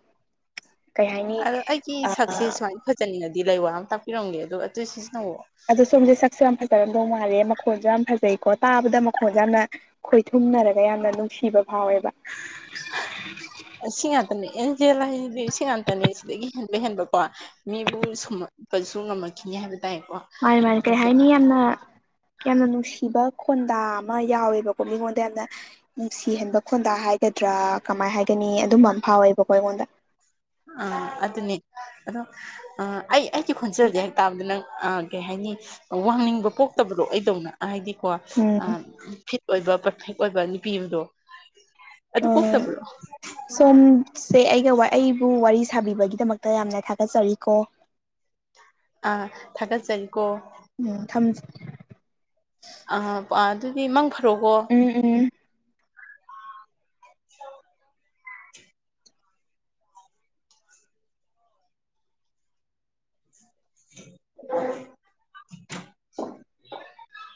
ꯀꯩ ꯍꯥꯏꯅꯤ ꯑꯗꯣ ꯑꯩꯒꯤ ꯁꯛꯁꯦ ꯑꯥ ꯁꯨꯃꯥꯏꯅ ꯐꯖꯅꯤꯡꯉꯗꯤ ꯂꯥꯏꯋꯥ ꯑꯝ ꯇꯥꯛꯄꯤꯔꯝꯒꯦ ꯑꯗꯣ ꯑꯗꯨ ꯁꯤꯖꯤꯟꯅꯧꯋꯣ ꯁꯣꯝꯖꯦ ꯁꯛꯁꯨ ꯌꯥꯝ ꯐꯖꯔꯝꯗꯧ ꯃꯥꯂꯦ ꯃꯈꯣꯟꯖꯨ ꯌꯥꯝ ꯐꯖꯩꯀꯣ ꯇꯥꯕꯗ ꯃꯈꯣꯟꯖꯦ ꯌꯥꯝꯅ ꯈꯣꯏꯊꯨꯝꯅꯔꯒ ꯌꯥꯝꯅ ꯅꯨꯡꯁꯤꯕ ꯐꯥꯎꯋꯦꯕ ꯁꯤ ꯉꯥꯛꯇꯅꯦ ꯑꯦꯟꯖꯦꯜ ꯍꯥꯏꯖꯤꯗꯤ ꯁꯤ ꯉꯥꯛꯇꯅꯦ ꯁꯤꯗꯒꯤ ꯍꯦꯟꯕ ꯍꯦꯟꯕꯀꯣ ꯃꯤꯕꯨꯝ ꯁꯨꯝꯃꯛꯄꯖꯨ ꯉꯝꯃꯛꯈꯤꯅꯤ ꯍꯥꯏꯕ ꯇꯥꯏꯀꯣ ꯃꯥꯅꯦ ꯃꯥꯅꯦ ꯀꯩ ꯑꯩꯁꯦ ꯍꯥꯏꯅꯤ ꯌꯥꯝꯅ ꯌꯥꯝꯅ ꯅꯨꯡꯁꯤꯕ ꯈꯣꯟꯗꯥ ꯑꯃ ꯌꯥꯎꯋꯦꯕꯀꯣ ꯃꯤꯉꯣꯟꯗ ꯌꯥꯝꯅ ꯅꯨꯡꯁꯤꯍꯟꯕ ꯈꯣꯟꯗꯥ ꯍꯥꯏ ꯒꯗ꯭ꯔꯥ ꯀꯃꯥꯏ ꯍꯥꯏꯒꯅꯤ ꯑꯗꯨꯝꯕ ꯑꯃ ꯐꯥꯎꯋꯦꯕꯀꯣ ꯑꯩꯉꯣꯟꯗ ꯑ ꯑꯗꯨꯅꯦ ꯑꯗꯣ ꯑ ꯑꯩ ꯑꯩꯒꯤ ꯈꯣꯟꯖꯦꯜꯖꯦ ꯍꯦꯛ ꯇꯥꯕꯗ ꯅꯪ ꯑ ꯀꯩ ꯍꯥꯏꯅꯤ ꯋꯥꯉꯥꯡꯅꯤꯡꯕ ꯄꯣꯛꯇꯕꯗꯣ ꯑꯩꯗꯧꯅ ꯍꯥꯏꯗꯤꯀꯣ ꯑ ꯎꯝ ꯐꯤꯠ ꯑꯣꯏꯕ ꯄꯔꯐꯦꯛ ꯑꯣꯏꯕ ꯅꯨꯄꯤ ꯑꯕꯗꯣ ꯑꯗꯨ ꯄꯣꯛꯇꯕ꯭ꯔꯣ ꯏꯆꯦ ꯑꯩꯒ ꯋꯥ ꯑꯩꯕꯨ ꯋꯥꯔꯤ ꯁꯥꯕꯤꯕꯒꯤꯗꯃꯛꯇ ꯌꯥꯝꯅ ꯊꯥꯒꯠꯆꯔꯤꯀꯣ ꯑ ꯊꯥꯒꯠꯆꯔꯤꯀꯣ ꯎꯝ ꯊꯝꯖ ꯑ ꯑꯥ ꯑꯗꯨꯗꯤ ꯃꯪ ꯐꯔꯣꯀꯣ ꯎꯝ ꯎꯝ <inaudible>